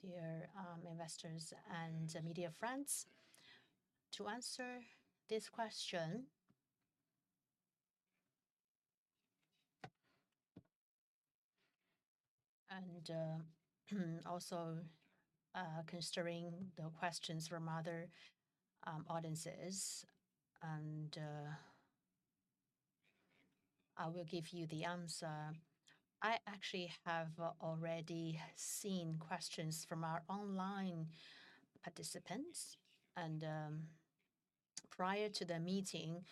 Dear investors and media friends, to answer this question, and also, considering the questions from other audiences, and I will give you the answer. I actually have already seen questions from our online participants, and prior to the meeting,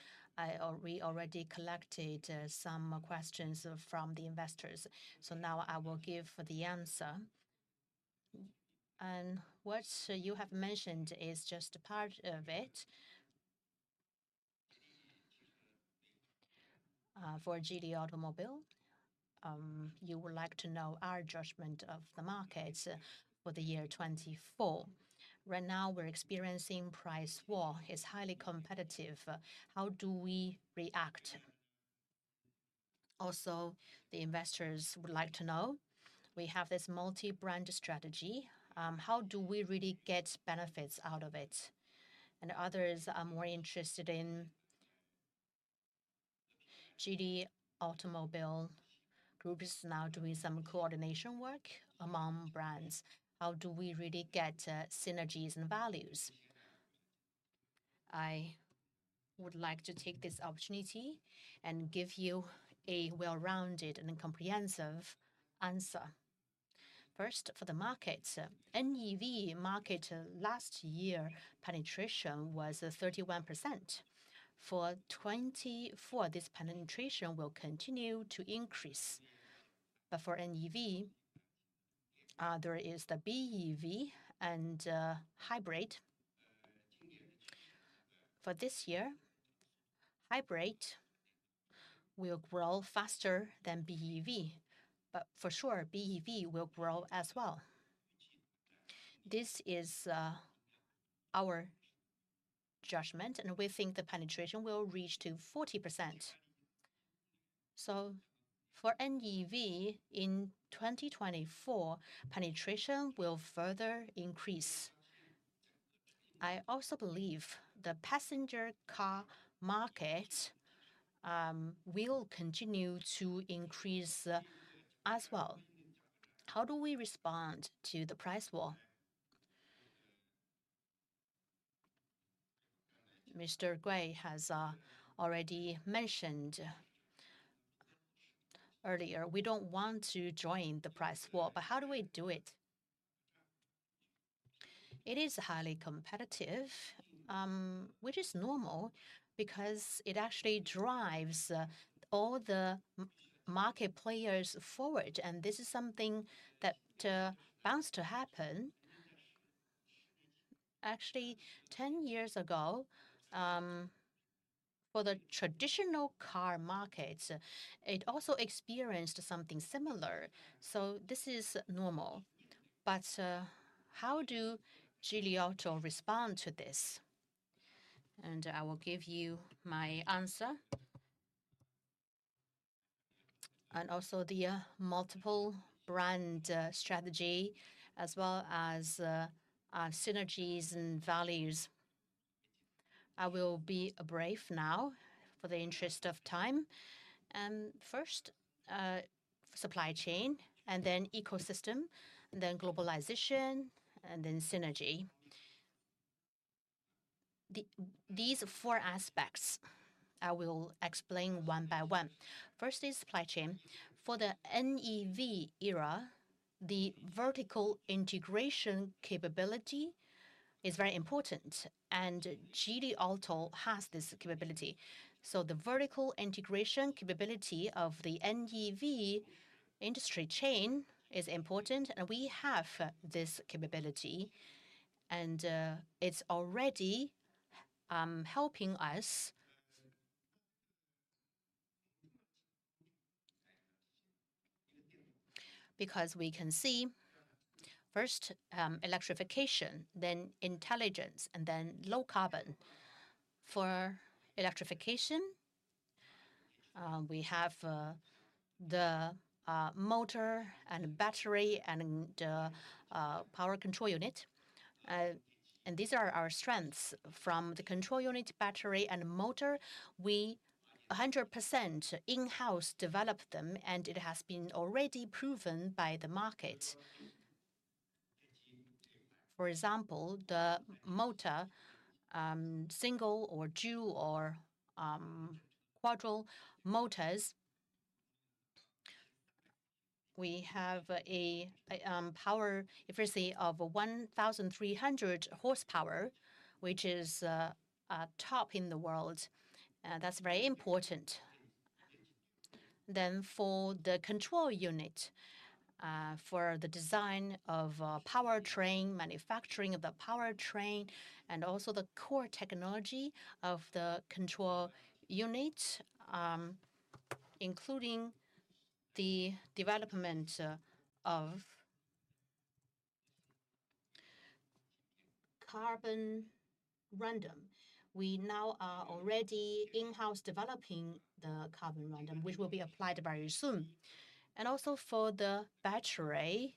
we already collected some questions from the investors. So now I will give the answer. And what you have mentioned is just a part of it. For Geely Automobile, you would like to know our judgment of the market for the year 2024. Right now, we're experiencing price war, is highly competitive. How do we react? Also, the investors would like to know, we have this multi-brand strategy, how do we really get benefits out of it? And others are more interested in Geely Automobile Group is now doing some coordination work among brands. How do we really get synergies and values? I would like to take this opportunity and give you a well-rounded and comprehensive answer. First, for the market, NEV market last year, penetration was 31%. For 2024, this penetration will continue to increase. But for NEV, there is the BEV and hybrid. For this year, hybrid will grow faster than BEV, but for sure, BEV will grow as well. This is our judgment, and we think the penetration will reach to 40%. So for NEV, in 2024, penetration will further increase. I also believe the passenger car market will continue to increase as well. How do we respond to the price war? Mr. Gui has already mentioned earlier, we don't want to join the price war, but how do we do it? It is highly competitive, which is normal because it actually drives all the market players forward, and this is something that bound to happen. Actually, 10 years ago, for the traditional car markets, it also experienced something similar, so this is normal. But how do Geely Auto respond to this? And I will give you my answer. And also the multiple brand strategy, as well as synergies and values. I will be brief now in the interest of time. First, supply chain, and then ecosystem, and then globalization, and then synergy. These four aspects, I will explain one by one. First is supply chain. For the NEV era, the vertical integration capability is very important, and Geely Auto has this capability. So the vertical integration capability of the NEV industry chain is important, and we have this capability, and it's already helping us because we can see, first, electrification, then intelligence, and then low carbon. For electrification, we have the motor and battery and the power control unit. And these are our strengths. From the control unit, battery, and motor, we 100% in-house developed them, and it has been already proven by the market. For example, the motor, single or dual or quadruple motors, we have a power, if you see, of 1,300 horsepower, which is top in the world, that's very important. Then for the control unit, for the design of powertrain, manufacturing of the powertrain, and also the core technology of the control unit, including the development of silicon carbide. We now are already in-house developing the silicon carbide, which will be applied very soon. And also for the battery,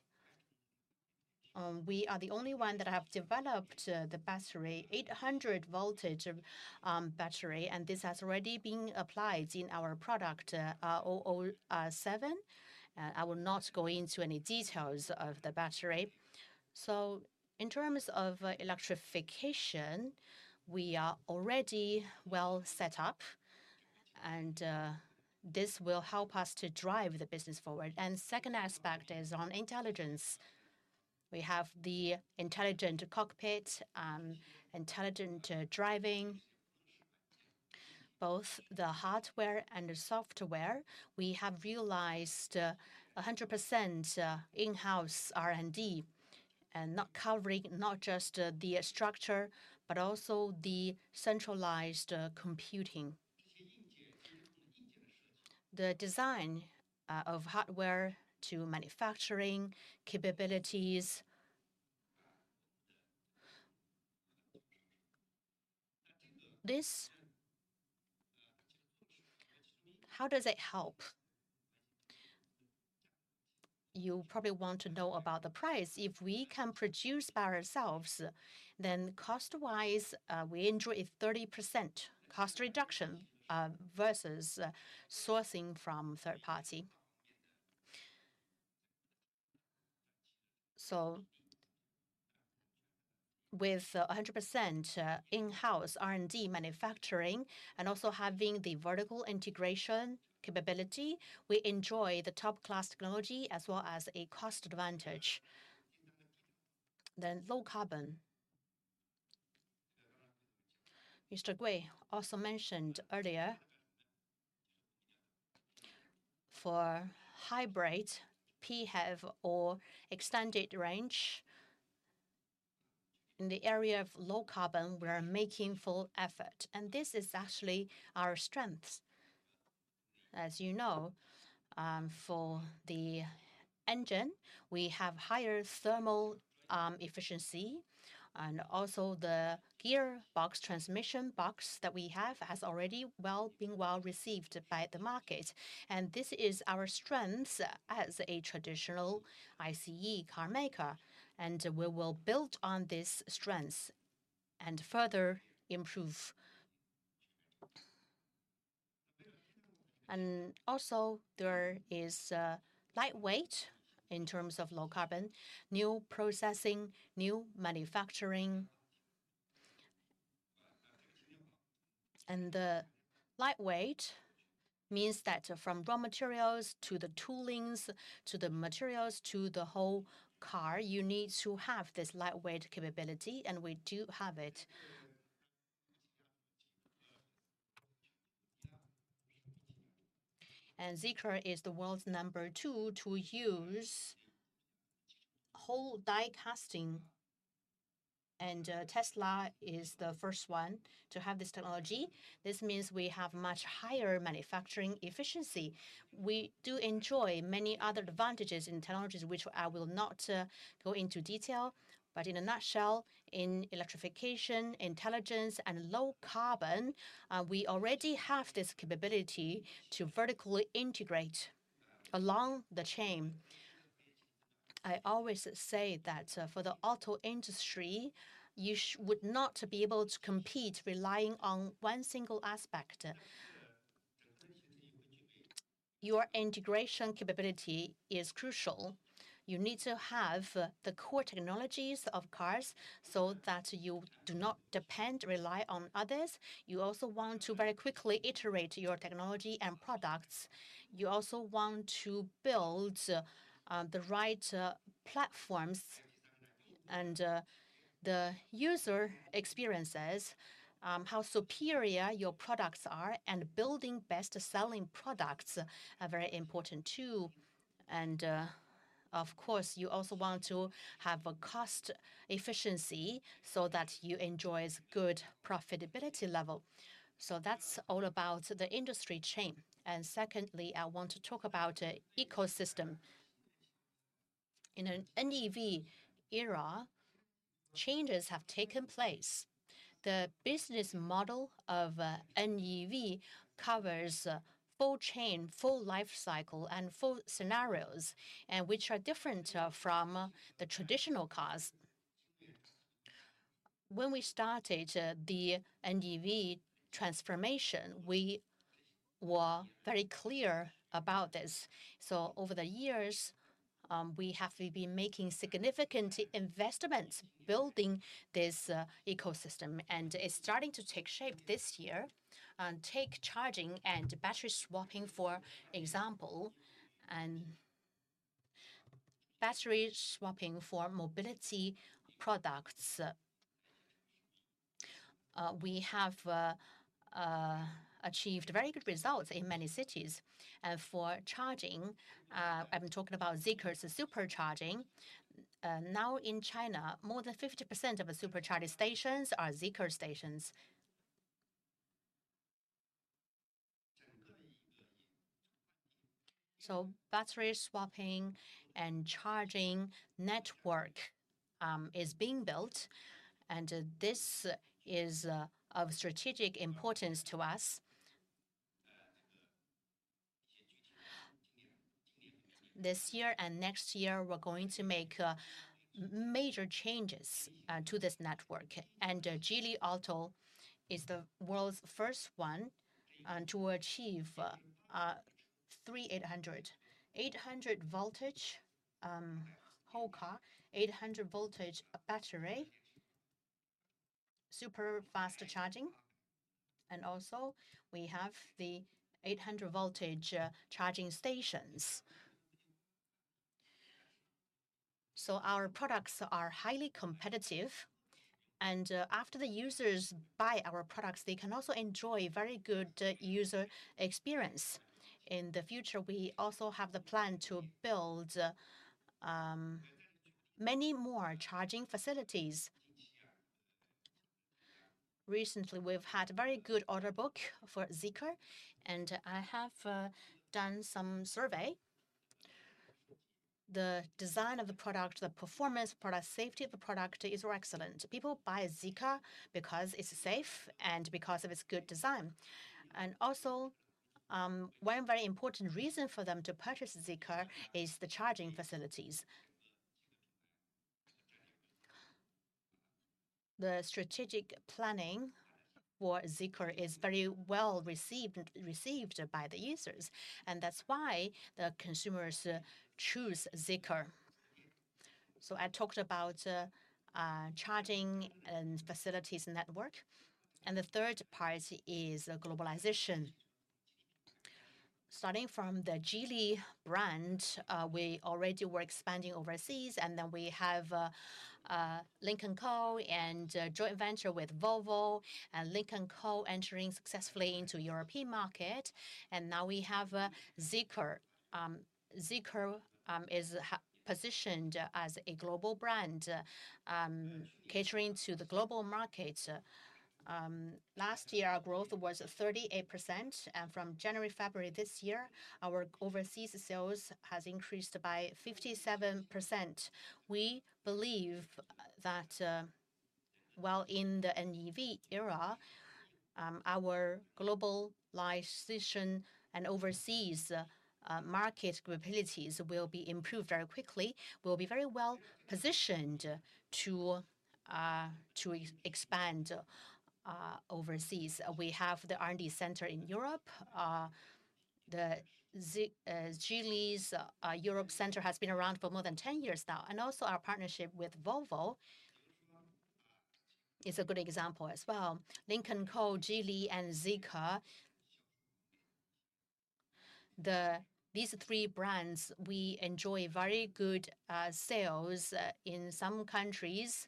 we are the only one that have developed the 800-volt battery, and this has already been applied in our product, Zeekr 007. I will not go into any details of the battery. So in terms of electrification, we are already well set up, and this will help us to drive the business forward. And second aspect is on intelligence. We have the intelligent cockpit, intelligent driving, both the hardware and the software. We have realized a hundred percent in-house R&D and not covering not just the structure, but also the centralized computing. The design of hardware to manufacturing capabilities, this, how does it help? You probably want to know about the price. If we can produce by ourselves, then cost-wise, we enjoy a 30% cost reduction versus sourcing from third party. So, with a hundred percent in-house R&D manufacturing and also having the vertical integration capability, we enjoy the top-class technology as well as a cost advantage. Then low carbon. Mr. Gui also mentioned earlier, for hybrid, PHEV or extended range, in the area of low carbon, we are making full effort, and this is actually our strength. As you know, for the engine, we have higher thermal efficiency, and also the gearbox, transmission box that we have has already been well-received by the market. This is our strength as a traditional ICE car maker, and we will build on this strength and further improve. Also, there is lightweight in terms of low carbon, new processing, new manufacturing. The lightweight means that from raw materials, to the toolings, to the materials, to the whole car, you need to have this lightweight capability, and we do have it. Zeekr is the world's number two to use whole die casting, and Tesla is the first one to have this technology. This means we have much higher manufacturing efficiency. We do enjoy many other advantages in technologies, which I will not go into detail, but in a nutshell, in electrification, intelligence, and low carbon, we already have this capability to vertically integrate along the chain. I always say that, for the auto industry, you would not be able to compete relying on one single aspect. Your integration capability is crucial. You need to have the core technologies of cars so that you do not depend, rely on others. You also want to very quickly iterate your technology and products. You also want to build the right platforms and the user experiences, how superior your products are, and building best-selling products are very important too. Of course, you also want to have a cost efficiency so that you enjoys good profitability level. That's all about the industry chain. Secondly, I want to talk about ecosystem. In an NEV era, changes have taken place. The business model of NEV covers full chain, full life cycle, and full scenarios, and which are different from the traditional cars. When we started the NEV transformation, we were very clear about this. Over the years, we have been making significant investments building this ecosystem, and it's starting to take shape this year. Take charging and battery swapping, for example, and battery swapping for mobility products. We have achieved very good results in many cities. For charging, I'm talking about Zeekr's supercharging. Now in China, more than 50% of the supercharging stations are Zeekr stations. So battery swapping and charging network is being built, and this is of strategic importance to us. This year and next year, we're going to make major changes to this network, and Geely Auto is the world's first one to achieve 800, 800 voltage whole car 800 voltage battery super faster charging, and also we have the 800 voltage charging stations. So our products are highly competitive, and after the users buy our products, they can also enjoy very good user experience. In the future, we also have the plan to build many more charging facilities. Recently, we've had a very good order book for Zeekr, and I have done some survey. The design of the product, the performance product, safety of the product is excellent. People buy Zeekr because it's safe and because of its good design. Also, one very important reason for them to purchase Zeekr is the charging facilities....... the strategic planning for Zeekr is very well received by the users, and that's why the consumers choose Zeekr. So I talked about charging and facilities network, and the third part is globalization. Starting from the Geely brand, we already were expanding overseas, and then we have Lynk & Co and a joint venture with Volvo, and Lynk & Co entering successfully into European market. And now we have Zeekr. Zeekr is positioned as a global brand, catering to the global market. Last year, our growth was 38%, and from January to February this year, our overseas sales has increased by 57%. We believe that, while in the NEV era, our globalization and overseas market capabilities will be improved very quickly. We'll be very well-positioned to expand overseas. We have the R&D center in Europe. Geely's Europe center has been around for more than 10 years now, and also our partnership with Volvo is a good example as well. Lynk & Co, Geely and Zeekr, these three brands, we enjoy very good sales in some countries.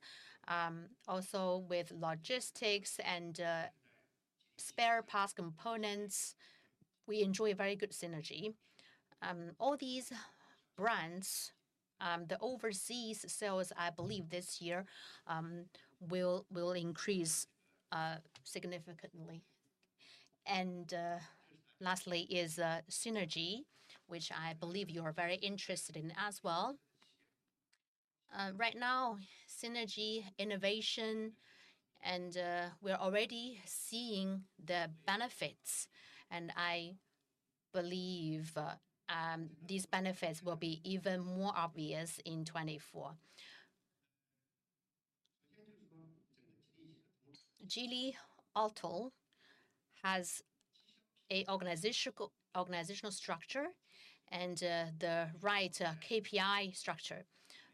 Also with logistics and spare parts components, we enjoy very good synergy. All these brands, the overseas sales, I believe, this year, will increase significantly. And lastly is synergy, which I believe you are very interested in as well. Right now, synergy, innovation, and we're already seeing the benefits, and I believe these benefits will be even more obvious in 2024. Geely Auto has a organizational structure and the right KPI structure.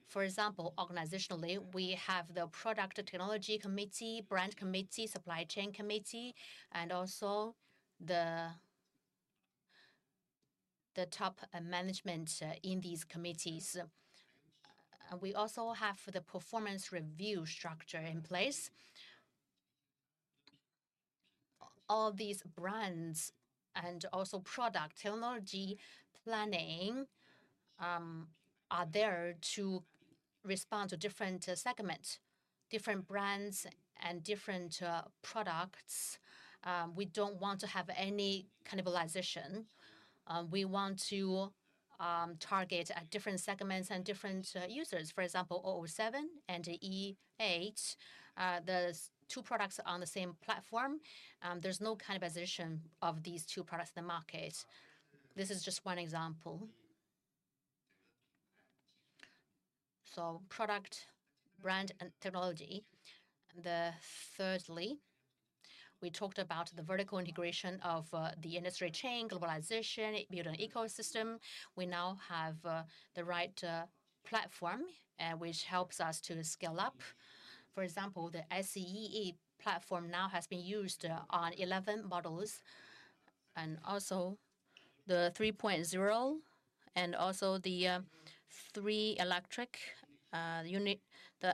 For example, organizationally, we have the Product Technology Committee, Brand Committee, Supply Chain Committee, and also the top management in these committees. We also have the performance review structure in place. All these brands and also product technology planning are there to respond to different segment, different brands and different products. We don't want to have any cannibalization. We want to target at different segments and different users. For example, 007 and the E8, there's two products on the same platform, there's no cannibalization of these two products in the market. This is just one example. So product, brand, and technology. And then thirdly, we talked about the vertical integration of the industry chain, globalization, build an ecosystem. We now have the right platform which helps us to scale up. For example, the SEA platform now has been used on 11 models, and also the 3.0, and also the 3-in-1 electric unit.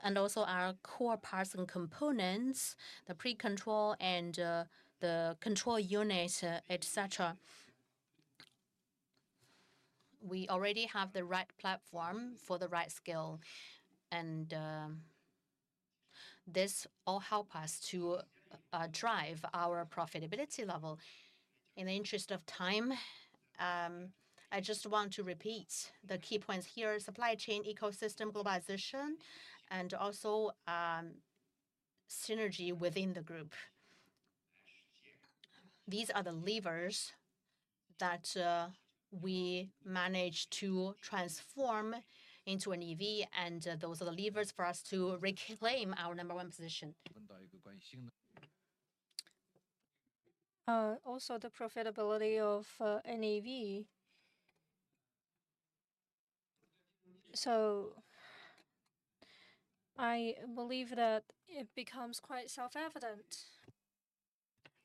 And also our core parts and components, the pre-control and the control unit, et cetera. We already have the right platform for the right scale, and this all help us to drive our profitability level. In the interest of time, I just want to repeat the key points here: supply chain, ecosystem, globalization, and also synergy within the group. These are the levers that we managed to transform into an EV, and those are the levers for us to reclaim our number one position. Also the profitability of NEV. So I believe that it becomes quite self-evident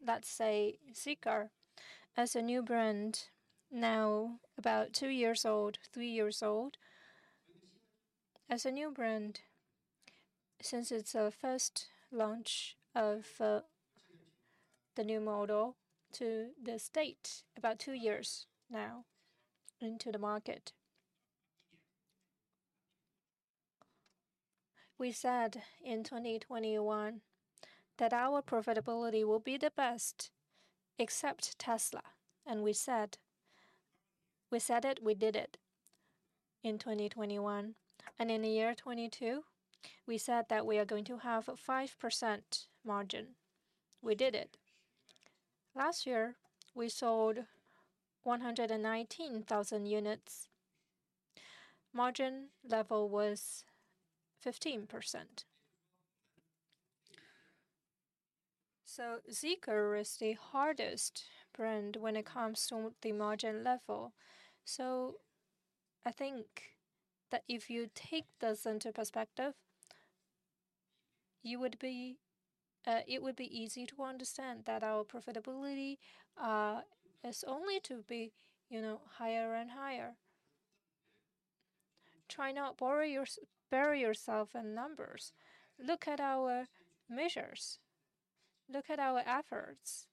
that, say, Zeekr, as a new brand, now about two years old, three years old. As a new brand, since its first launch of the new model to this date, about two years now into the market, we said in 2021 that our profitability will be the best, except Tesla. And we said... We said it, we did it in 2021. And in the year 2022, we said that we are going to have a 5% margin. We did it. Last year, we sold 119,000 units—margin level was 15%. So Zeekr is the hardest brand when it comes to the margin level. So I think that if you take this into perspective, you would be, it would be easy to understand that our profitability is only to be, you know, higher and higher. Bury yourself in numbers. Look at our measures. Look at our efforts,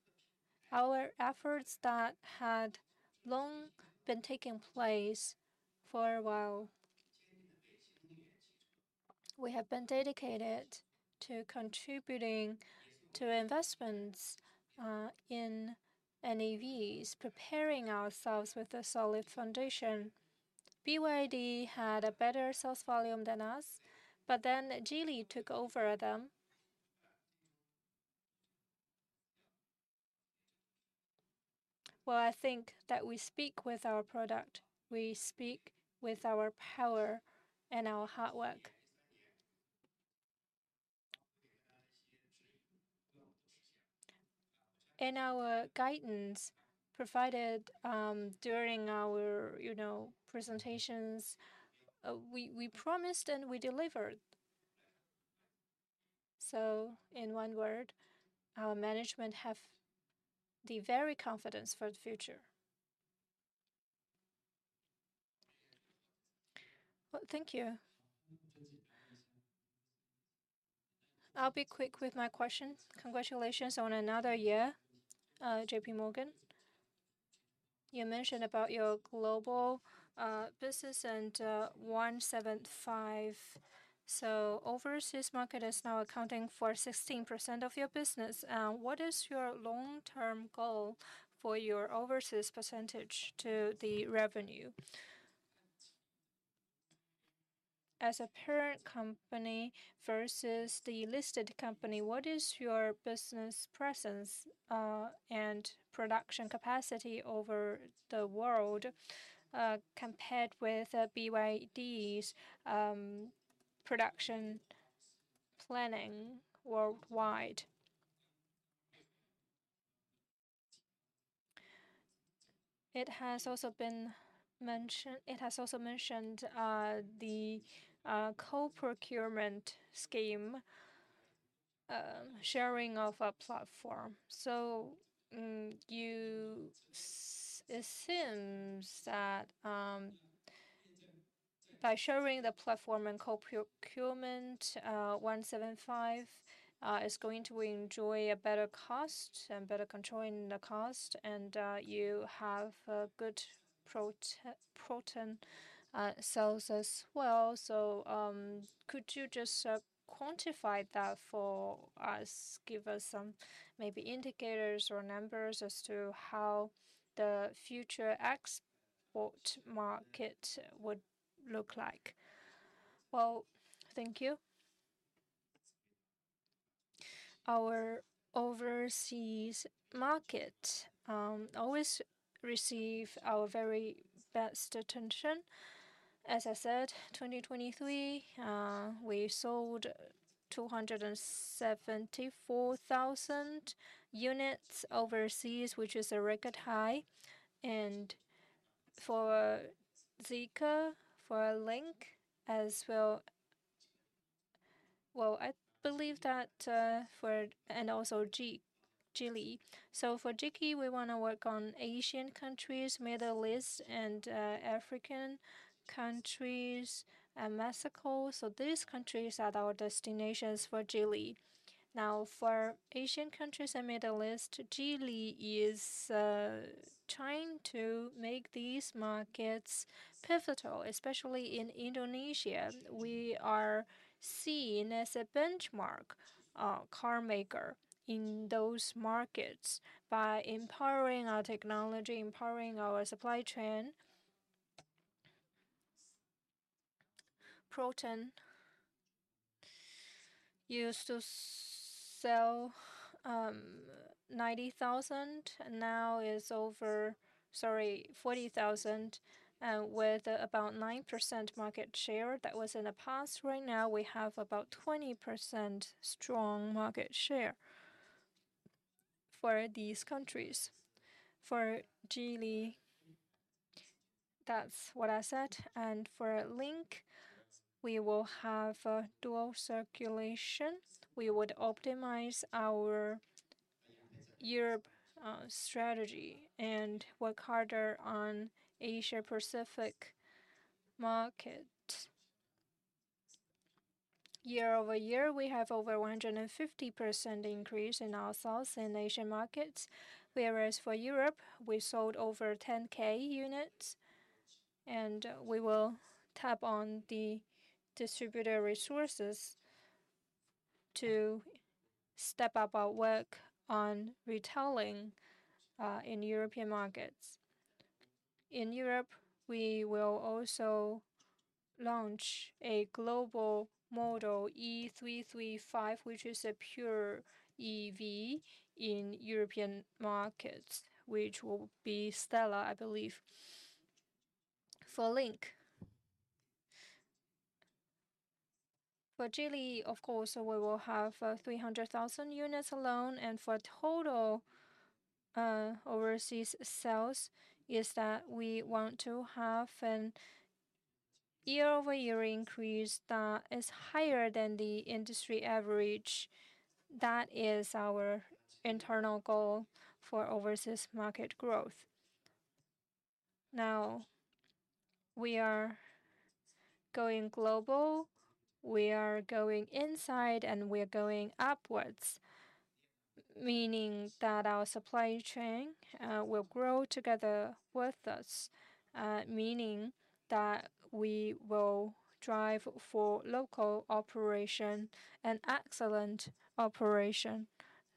our efforts that had long been taking place for a while. We have been dedicated to contributing to investments in NEVs, preparing ourselves with a solid foundation. BYD had a better sales volume than us, but then Geely took over them. Well, I think that we speak with our product, we speak with our power and our hard work. In our guidance provided during our, you know, presentations, we promised and we delivered. So in one word, our management have the very confidence for the future. Well, thank you. I'll be quick with my questions. Congratulations on another year, JPMorgan. You mentioned about your global business and 0175. So overseas market is now accounting for 16% of your business. What is your long-term goal for your overseas percentage to the revenue? As a parent company versus the listed company, what is your business presence and production capacity over the world compared with BYD's production planning worldwide? It has also been mentioned the co-procurement scheme, sharing of a platform. So it seems that by sharing the platform and co-procurement, 0175 is going to enjoy a better cost and better control in the cost, and you have a good Proton sales as well. So could you just quantify that for us? Give us some maybe indicators or numbers as to how the future export market would look like? Well, thank you. Our overseas market always receive our very best attention. As I said, 2023, we sold 274,000 units overseas, which is a record high, and for Zeekr, for Lynk as well. Well, I believe that, and also Geely. So for Geely, we wanna work on Asian countries, Middle East, and African countries, and Mexico. So these countries are our destinations for Geely. Now, for Asian countries and Middle East, Geely is trying to make these markets pivotal, especially in Indonesia. We are seen as a benchmark car maker in those markets by empowering our technology, empowering our supply chain. Proton used to sell 90,000, now is over, sorry, 40,000, with about 9% market share. That was in the past. Right now, we have about 20% strong market share for these countries. For Geely, that's what I said, and for Lynk, we will have a dual circulation. We would optimize our Europe strategy and work harder on Asia-Pacific market. Year-over-year, we have over 150% increase in our sales in Asian markets. Whereas for Europe, we sold over 10,000 units, and we will tap on the distributor resources to step up our work on retailing in European markets. In Europe, we will also launch a global model E371 which is a pure EV in European markets, which will be stellar, I believe, for Lynk. For Geely, of course, we will have 300,000 units alone, and for total overseas sales, is that we want to have a year-over-year increase that is higher than the industry average. That is our internal goal for overseas market growth. Now, we are going global, we are going inside, and we are going upwards, meaning that our supply chain will grow together with us. Meaning that we will drive for local operation and excellent operation,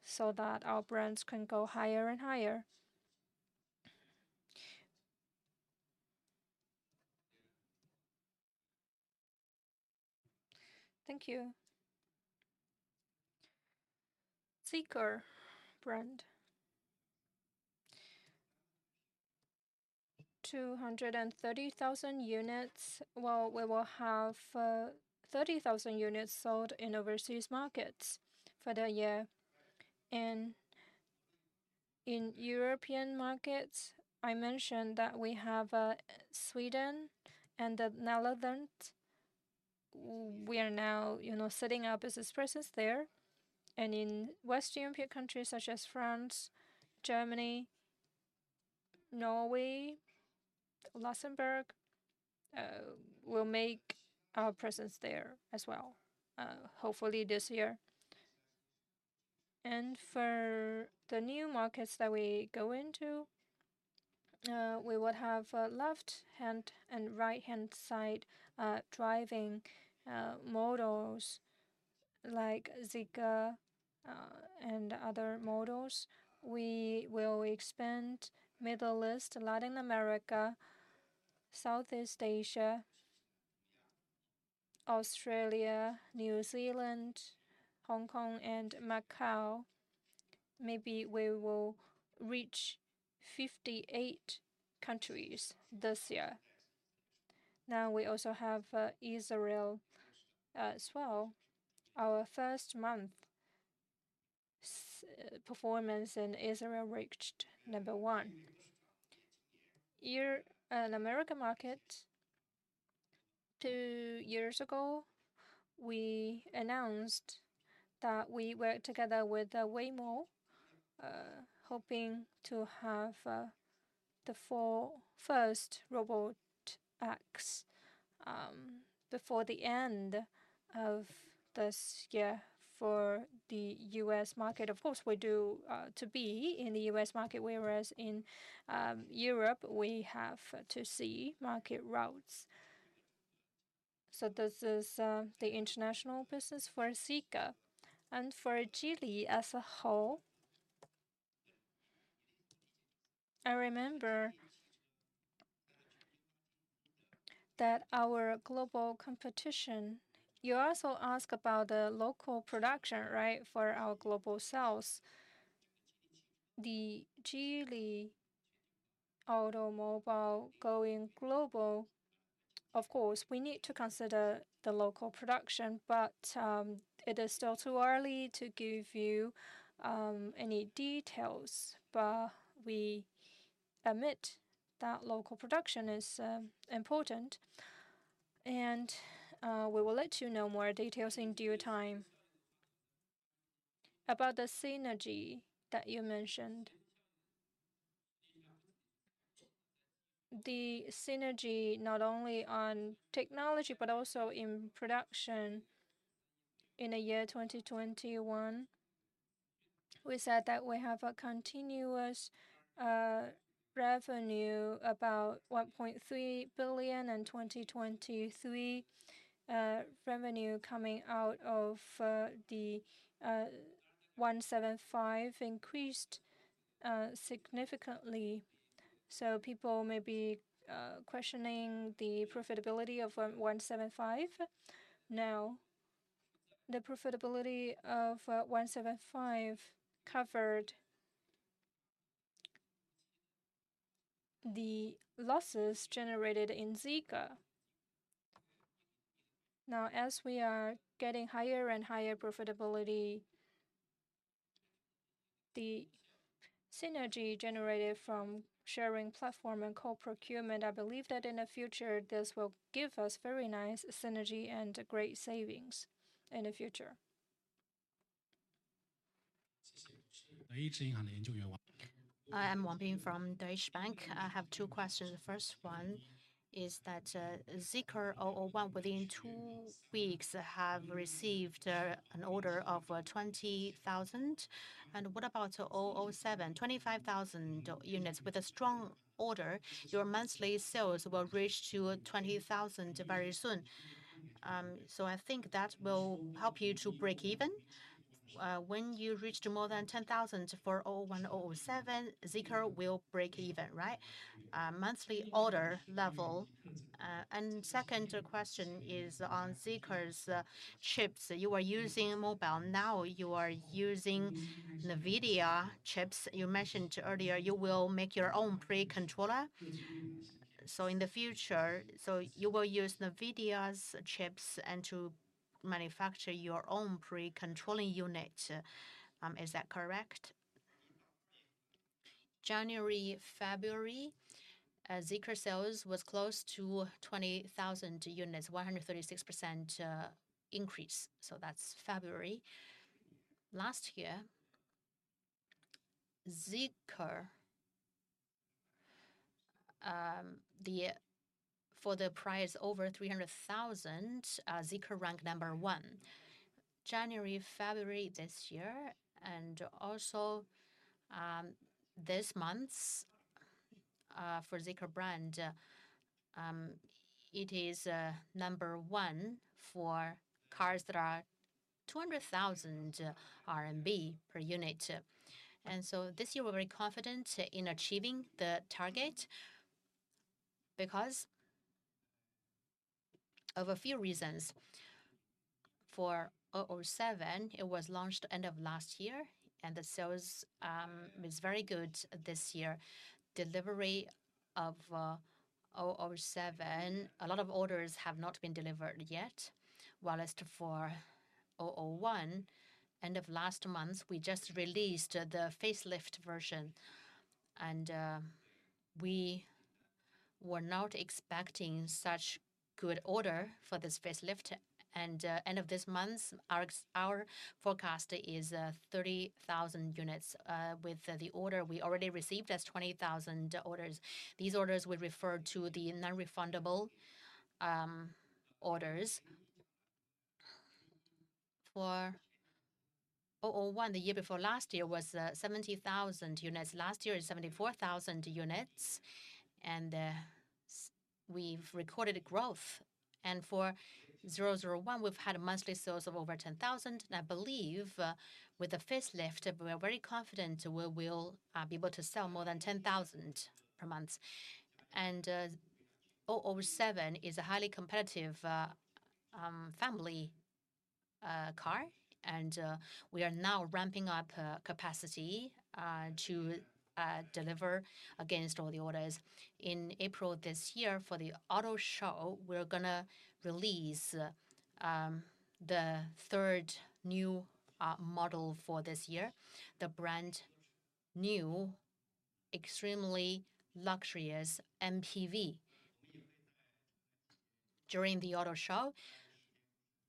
so that our brands can go higher and higher. Thank you. Zeekr brand. 230,000 units. Well, we will have 30,000 units sold in overseas markets for the year. And in European markets, I mentioned that we have Sweden and the Netherlands. We are now, you know, setting our business presence there. In West European countries such as France, Germany, Norway, Luxembourg, we'll make our presence there as well, hopefully this year. For the new markets that we go into, we would have a left-hand and right-hand side driving models like Zeekr and other models. We will expand Middle East, Latin America, Southeast Asia, Australia, New Zealand, Hong Kong, and Macau. Maybe we will reach 58 countries this year. Now, we also have Israel as well. Our first month's performance in Israel reached number 1. Here, in America market, two years ago, we announced that we worked together with Waymo, hoping to have the 4 first robotaxis before the end of this year for the U.S. market. Of course, we do to be in the U.S. market, whereas in Europe, we have to see market routes. So this is the international business for Zeekr. And for Geely as a whole... I remember that our global competition... You also asked about the local production, right? For our global sales. The Geely Automobile going global, of course, we need to consider the local production, but it is still too early to give you any details. But we admit that local production is important, and we will let you know more details in due time. About the synergy that you mentioned. The synergy, not only on technology but also in production in the year 2021, we said that we have a continuous revenue, about 1.3 billion, in 2023, revenue coming out of the 175 increased significantly. So people may be questioning the profitability of 175. Now, the profitability of 175 covered the losses generated in Zeekr. Now, as we are getting higher and higher profitability, the synergy generated from sharing platform and co-procurement, I believe that in the future, this will give us very nice synergy and great savings in the future. I am Bin Wang from Deutsche Bank. I have two questions. The first one is that, Zeekr 001, within two weeks, have received, an order of, 20,000. And what about 007? 25,000 units. With a strong order, your monthly sales will reach to 20,000 very soon. So I think that will help you to break even. When you reach to more than 10,000 for 001, 007, Zeekr will break even, right? Monthly order level. And second question is on Zeekr's, chips. You were using Mobileye, now you are using NVIDIA chips. You mentioned earlier you will make your own domain controller. So in the future, so you will use NVIDIA's chips and to manufacture your own pre-controlling unit. Is that correct?... January, February, Zeekr sales was close to 20,000 units, 136% increase. So that's February. Last year, Zeekr, for the price over 300,000, Zeekr ranked number one. January, February this year, and also this month, for Zeekr brand, it is number one for cars that are 200,000 RMB per unit. And so this year, we're very confident in achieving the target because of a few reasons. For 007, it was launched end of last year, and the sales is very good this year. Delivery of 007, a lot of orders have not been delivered yet. Whilst for 001, end of last month, we just released the facelift version, and we were not expecting such good order for this facelift. End of this month, our forecast is 30,000 units, with the order we already received, that's 20,000 orders. These orders would refer to the non-refundable orders. For 001, the year before last year was 70,000 units. Last year, it was 74,000 units, and we've recorded a growth. And for 001, we've had monthly sales of over 10,000, and I believe, with the facelift, we are very confident we will be able to sell more than 10,000 per month. And 007 is a highly competitive family car, and we are now ramping up capacity to deliver against all the orders. In April this year, for the auto show, we're gonna release the third new model for this year, the brand new, extremely luxurious MPV. During the auto show,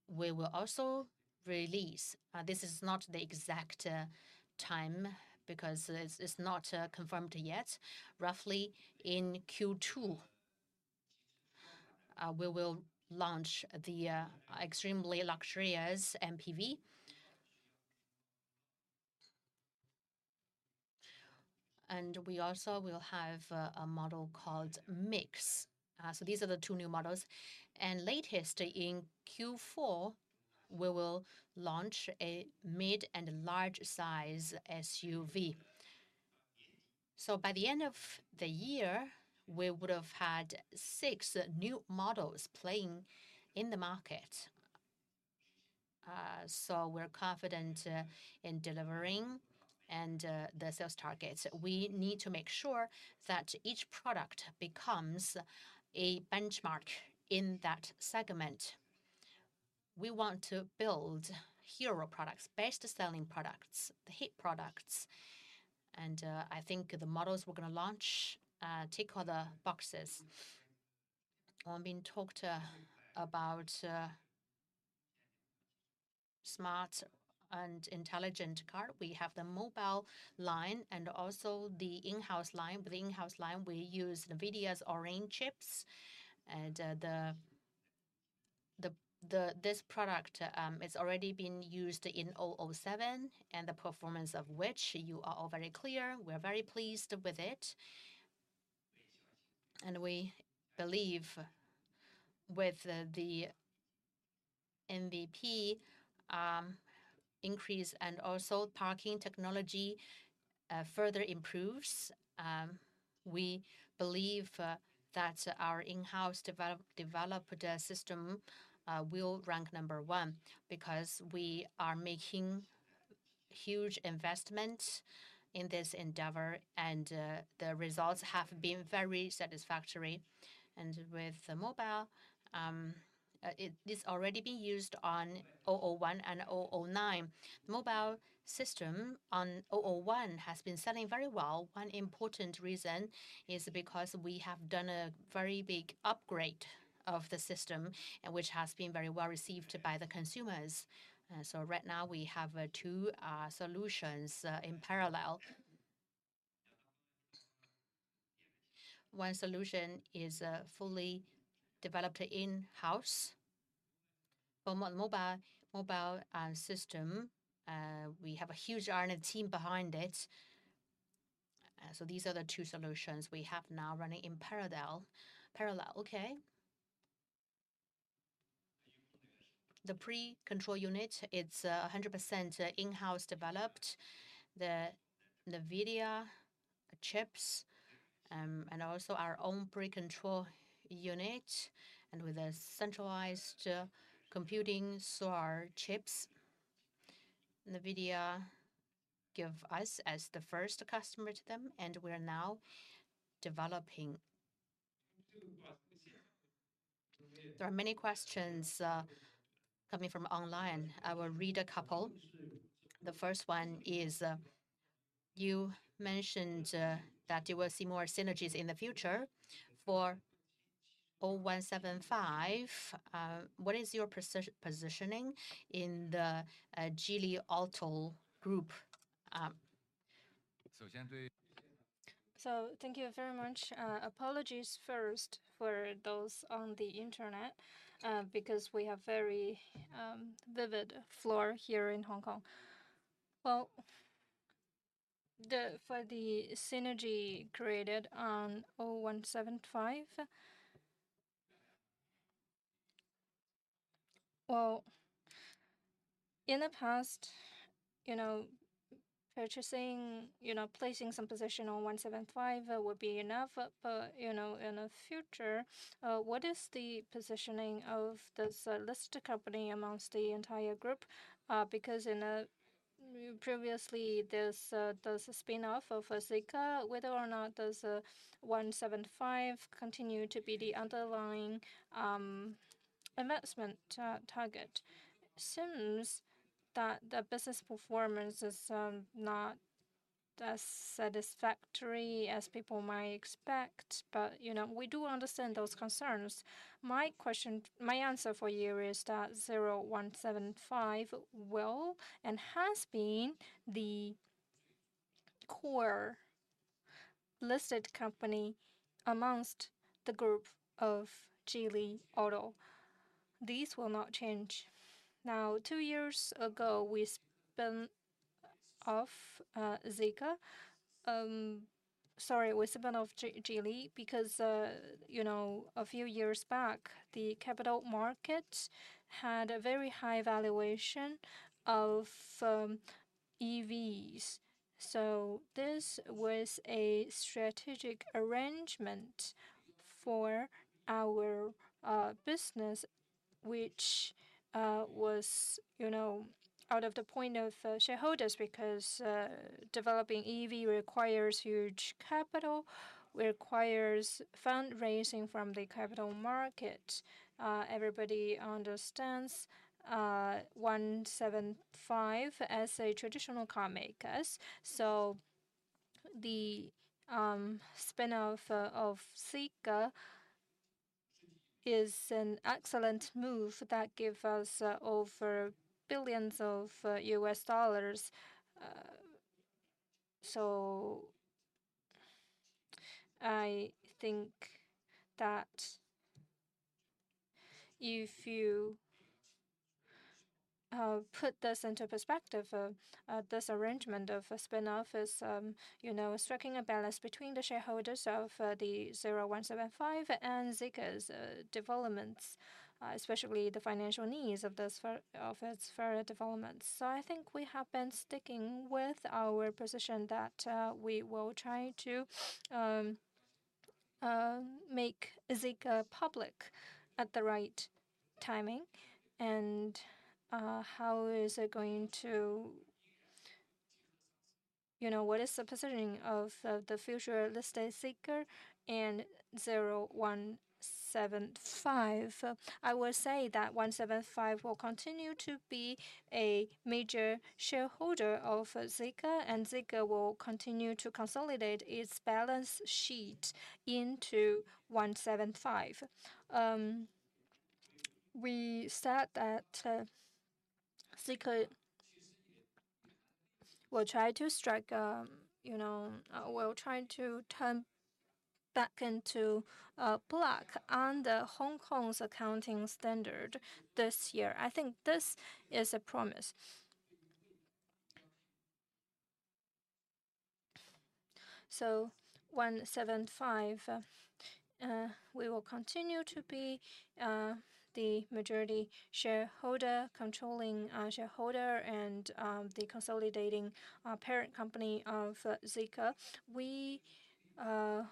we will also release. This is not the exact time because it's not confirmed yet. Roughly in Q2, we will launch the extremely luxurious MPV. We also will have a model called Mix. So these are the two new models. Later, in Q4, we will launch a mid- and large-size SUV. So by the end of the year, we would've had six new models playing in the market. We're confident in delivering the sales targets. We need to make sure that each product becomes a benchmark in that segment. We want to build hero products, best-selling products, the hit products, and I think the models we're gonna launch tick all the boxes. On being talked about smart and intelligent car, we have the Mobile line and also the in-house line. With the in-house line, we use NVIDIA's Orin chips and this product. It's already been used in 007, and the performance of which you are all very clear. We're very pleased with it, and we believe with the NZP increase and also parking technology further improves, we believe that our in-house developed system will rank number one because we are making huge investment in this endeavor, and the results have been very satisfactory. And with the Mobile, this already been used on 001 and 009. Mobile system on 001 has been selling very well. One important reason is because we have done a very big upgrade of the system, and which has been very well received by the consumers. So right now, we have two solutions in parallel. One solution is fully developed in-house. For Mobile system, we have a huge R&D team behind it. So these are the two solutions we have now running in parallel, okay? The pre-control unit, it's 100% in-house developed. The NVIDIA chips, and also our own pre-control unit, and with a centralized computing, so our chips. NVIDIA give us as the first customer to them, and we're now developing-... There are many questions coming from online. I will read a couple. The first one is: You mentioned that you will see more synergies in the future for 0175. What is your positioning in the Geely Auto Group? So thank you very much. Apologies first for those on the internet, because we have very vivid floor here in Hong Kong. Well, for the synergy created on 0175. Well, in the past, you know, purchasing, you know, placing some position on 0175 would be enough. But, you know, in the future, what is the positioning of this listed company amongst the entire group? Because previously, there's a spin-off of Zeekr, whether or not 0175 continues to be the underlying investment target. Seems that the business performance is not as satisfactory as people might expect, but, you know, we do understand those concerns. My answer for you is that 0175 will and has been the core listed company amongst the group of Geely Auto. This will not change. Now, two years ago, we spun off Zeekr. Sorry, we spun off Geely because, you know, a few years back, the capital market had a very high valuation of EVs. So this was a strategic arrangement for our business, which, you know, out of the point of shareholders, because developing EV requires huge capital, requires fundraising from the capital market. Everybody understands 0175 as a traditional car makers, so the spin-off of Zeekr is an excellent move that give us over billions of $. So I think that if you put this into perspective, this arrangement of a spin-off is, you know, striking a balance between the shareholders of the zero one seven five and Zeekr's developments, especially the financial needs of this fur- of its further developments. So I think we have been sticking with our position that we will try to make Zeekr public at the right timing. And how is it going to... You know, what is the positioning of the future listed Zeekr and zero one seven five? I will say that one seven five will continue to be a major shareholder of Zeekr, and Zeekr will continue to consolidate its balance sheet into one seven five. We said that Zeekr will try to strike, you know, we're trying to turn back into black on the Hong Kong's accounting standard this year. I think this is a promise. So 175, we will continue to be the majority shareholder, controlling shareholder and the consolidating parent company of Zeekr. We are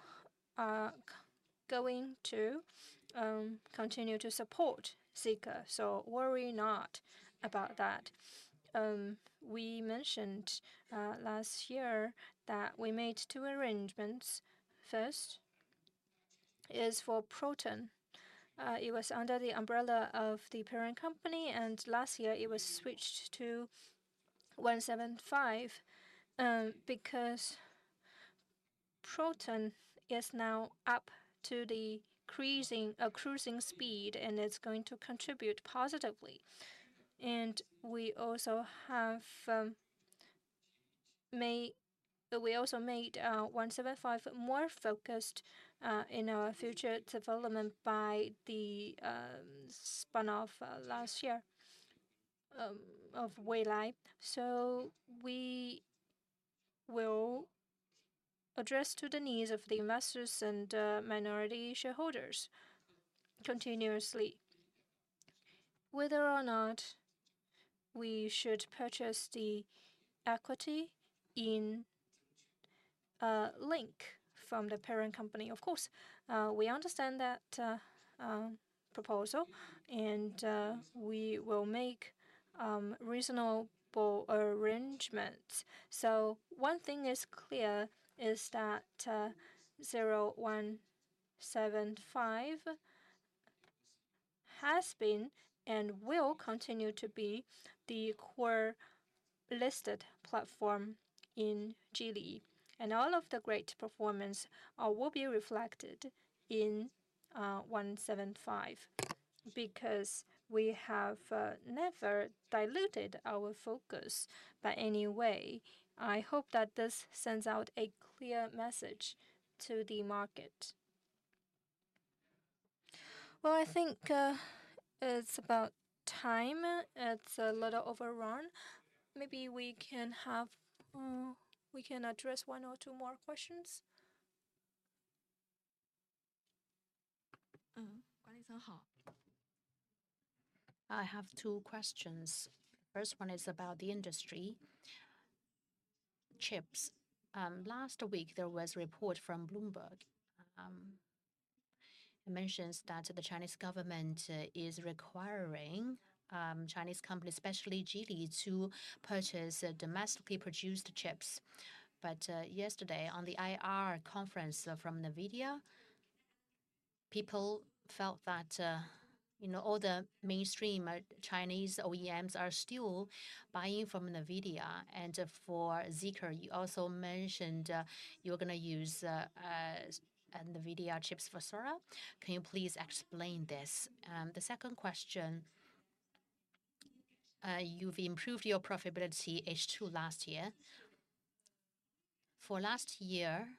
going to continue to support Zeekr, so worry not about that. We mentioned last year that we made two arrangements. First is for Proton. It was under the umbrella of the parent company, and last year it was switched to 175, because Proton is now up to the reaching cruising speed, and it's going to contribute positively. And we also have made... We also made 175 more focused in our future development by the spin-off last year of Livan. So we will address to the needs of the investors and minority shareholders continuously. Whether or not we should purchase the equity in Lynk from the parent company, of course, we understand that proposal.... and, we will make reasonable arrangements. So one thing is clear is that, 0175 has been and will continue to be the core listed platform in Geely, and all of the great performance will be reflected in 0175, because we have never diluted our focus by any way. I hope that this sends out a clear message to the market. Well, I think it's about time. It's a little overrun. Maybe we can have... We can address one or two more questions. I have two questions. First one is about the industry, chips. Last week, there was a report from Bloomberg, it mentions that the Chinese government is requiring Chinese companies, especially Geely, to purchase domestically produced chips. But yesterday on the IR conference from NVIDIA, people felt that, you know, all the mainstream Chinese OEMs are still buying from NVIDIA. And for Zeekr, you also mentioned, you're gonna use NVIDIA chips for Thor. Can you please explain this? And the second question: You've improved your profitability H2 last year. For last year,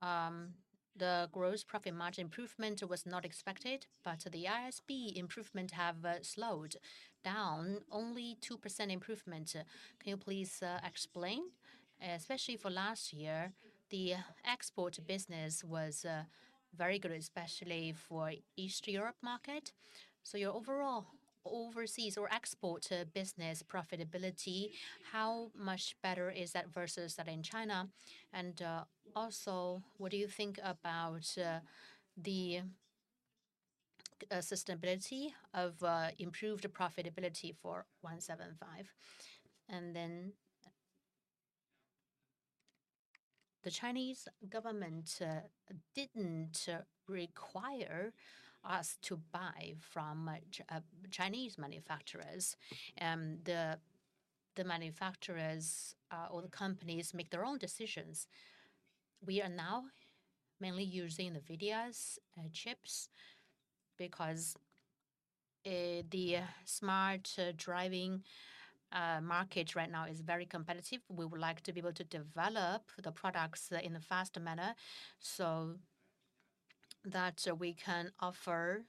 the gross profit margin improvement was not expected, but the ASP improvement have slowed down, only 2% improvement. Can you please explain? Especially for last year, the export business was very good, especially for East Europe market. So your overall overseas or export business profitability, how much better is that versus that in China? And also, what do you think about the sustainability of improved profitability for 175? And then... The Chinese government didn't require us to buy from Chinese manufacturers. The manufacturers or the companies make their own decisions. We are now mainly using NVIDIA's chips because the smart driving market right now is very competitive. We would like to be able to develop the products in a faster manner so that we can offer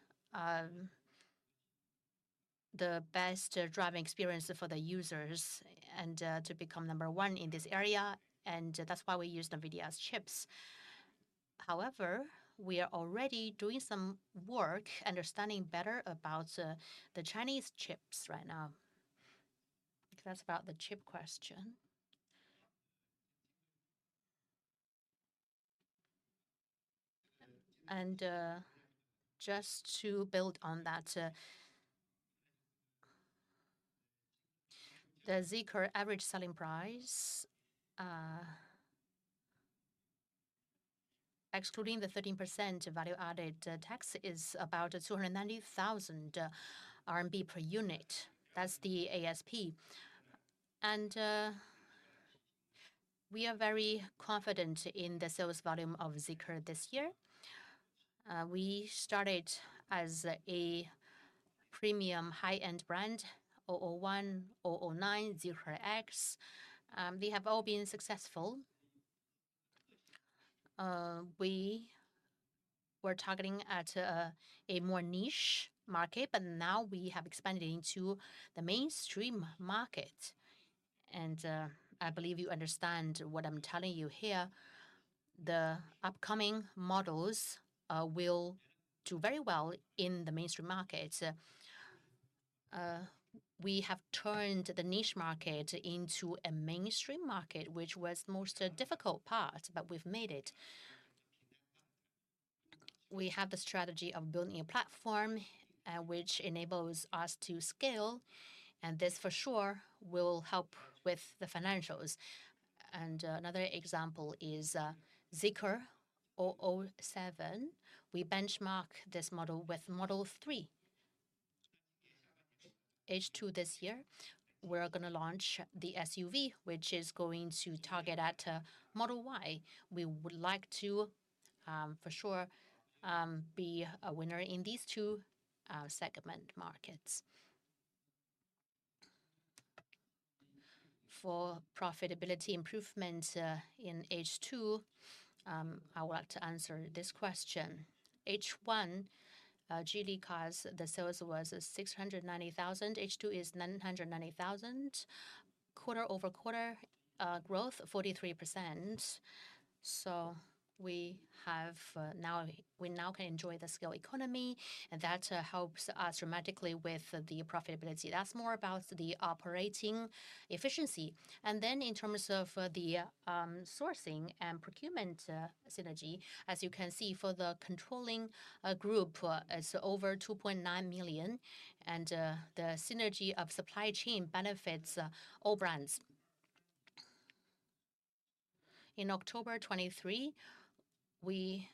the best driving experience for the users and to become number one in this area, and that's why we use NVIDIA's chips. However, we are already doing some work, understanding better about the Chinese chips right now. That's about the chip question. Just to build on that, the Zeekr average selling price, excluding the 13% value-added tax, is about 290,000 RMB per unit. That's the ASP. We are very confident in the sales volume of Zeekr this year. We started as a premium high-end brand, Zeekr 001, Zeekr 009, Zeekr X. They have all been successful. We were targeting at a more niche market, but now we have expanded into the mainstream market, and I believe you understand what I'm telling you here. The upcoming models will do very well in the mainstream market. We have turned the niche market into a mainstream market, which was the most difficult part, but we've made it. We have the strategy of building a platform, which enables us to scale, and this for sure will help with the financials. Another example is Zeekr 007. We benchmark this model with Model 3. H2 this year, we're gonna launch the SUV, which is going to target at Model Y. We would like to for sure be a winner in these two segment markets. For profitability improvement in H2, I would like to answer this question. H1, Geely cars, the sales was 690,000; H2 is 990,000. Quarter-over-quarter growth, 43%. So we now can enjoy the scale economy, and that helps us dramatically with the profitability. That's more about the operating efficiency. And then in terms of the sourcing and procurement synergy, as you can see, for the controlling group is over 2.9 million, and the synergy of supply chain benefits all brands. In October 2023, we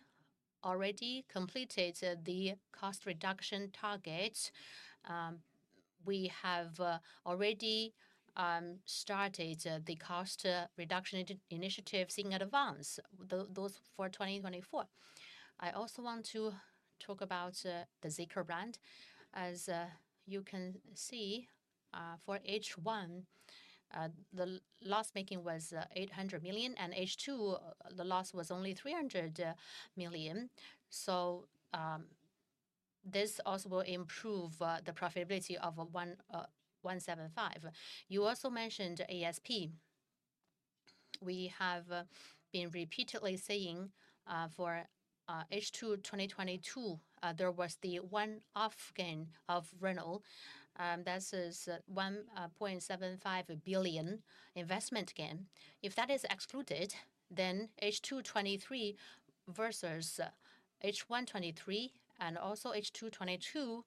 already completed the cost reduction target. We have already started the cost reduction initiative in advance, those for 2024. I also want to talk about the Zeekr brand. As you can see, for H1, the loss making was 800 million, and H2, the loss was only 300 million. So, this also will improve the profitability of 175. You also mentioned ASP. We have been repeatedly saying, for H2 2022, there was the one-off gain of Renault, that is 1.75 billion investment gain. If that is excluded, then H2 2023 versus H1 2023 and also H2 2022,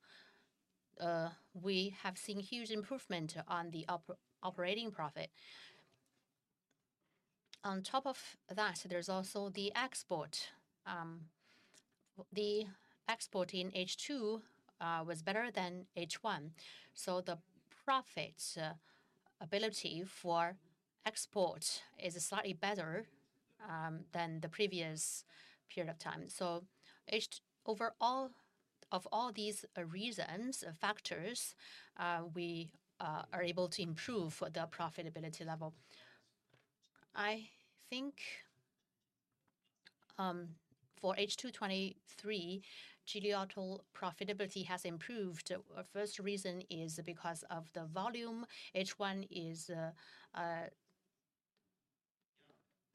we have seen huge improvement on the operating profit. On top of that, there's also the export. The export in H2 was better than H1, so the profitability for export is slightly better than the previous period of time. So overall, of all these reasons, factors, we are able to improve the profitability level. I think, for H2 2023, Geely Auto profitability has improved. First reason is because of the volume. H1 is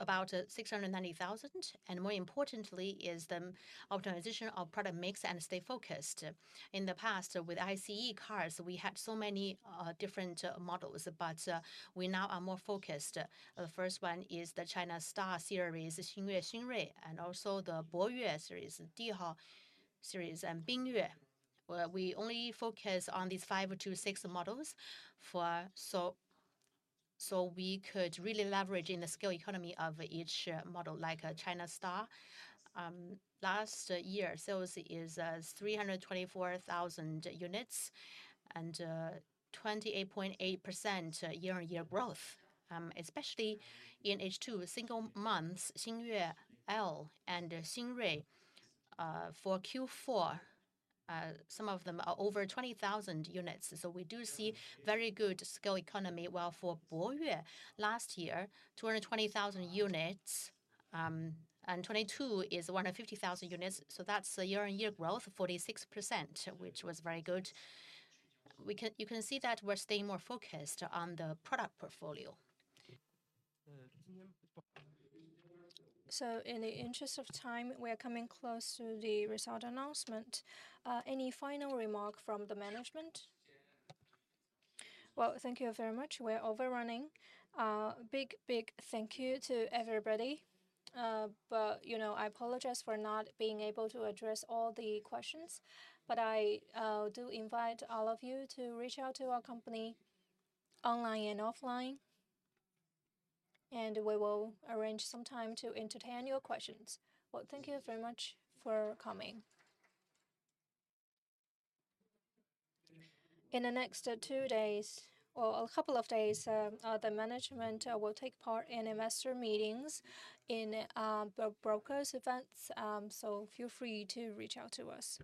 about 690,000, and more importantly is the optimization of product mix and stay focused. In the past, with ICE cars, we had so many different models, but we now are more focused. The first one is the China Star series, Xingyue, Xingrui, and also the Boyue series, Dihao series, and Binyue. Well, we only focus on these five to six models for... So we could really leverage in the scale economy of each model, like Geely Star. Last year, sales is 324,000 units, and 28.8% year-on-year growth, especially in H2, single months, Xingyue L and Xingrui. For Q4, some of them are over 20,000 units, so we do see very good scale economy. While for Boyue, last year, 220,000 units, and 2022 is 150,000 units, so that's a year-on-year growth of 46%, which was very good. You can see that we're staying more focused on the product portfolio. So in the interest of time, we are coming close to the result announcement. Any final remark from the management? Well, thank you very much. We're overrunning. Big, big thank you to everybody. But, you know, I apologize for not being able to address all the questions, but I do invite all of you to reach out to our company online and offline, and we will arrange some time to entertain your questions. Well, thank you very much for coming. In the next two days or a couple of days, the management will take part in investor meetings, in brokers events, so feel free to reach out to us.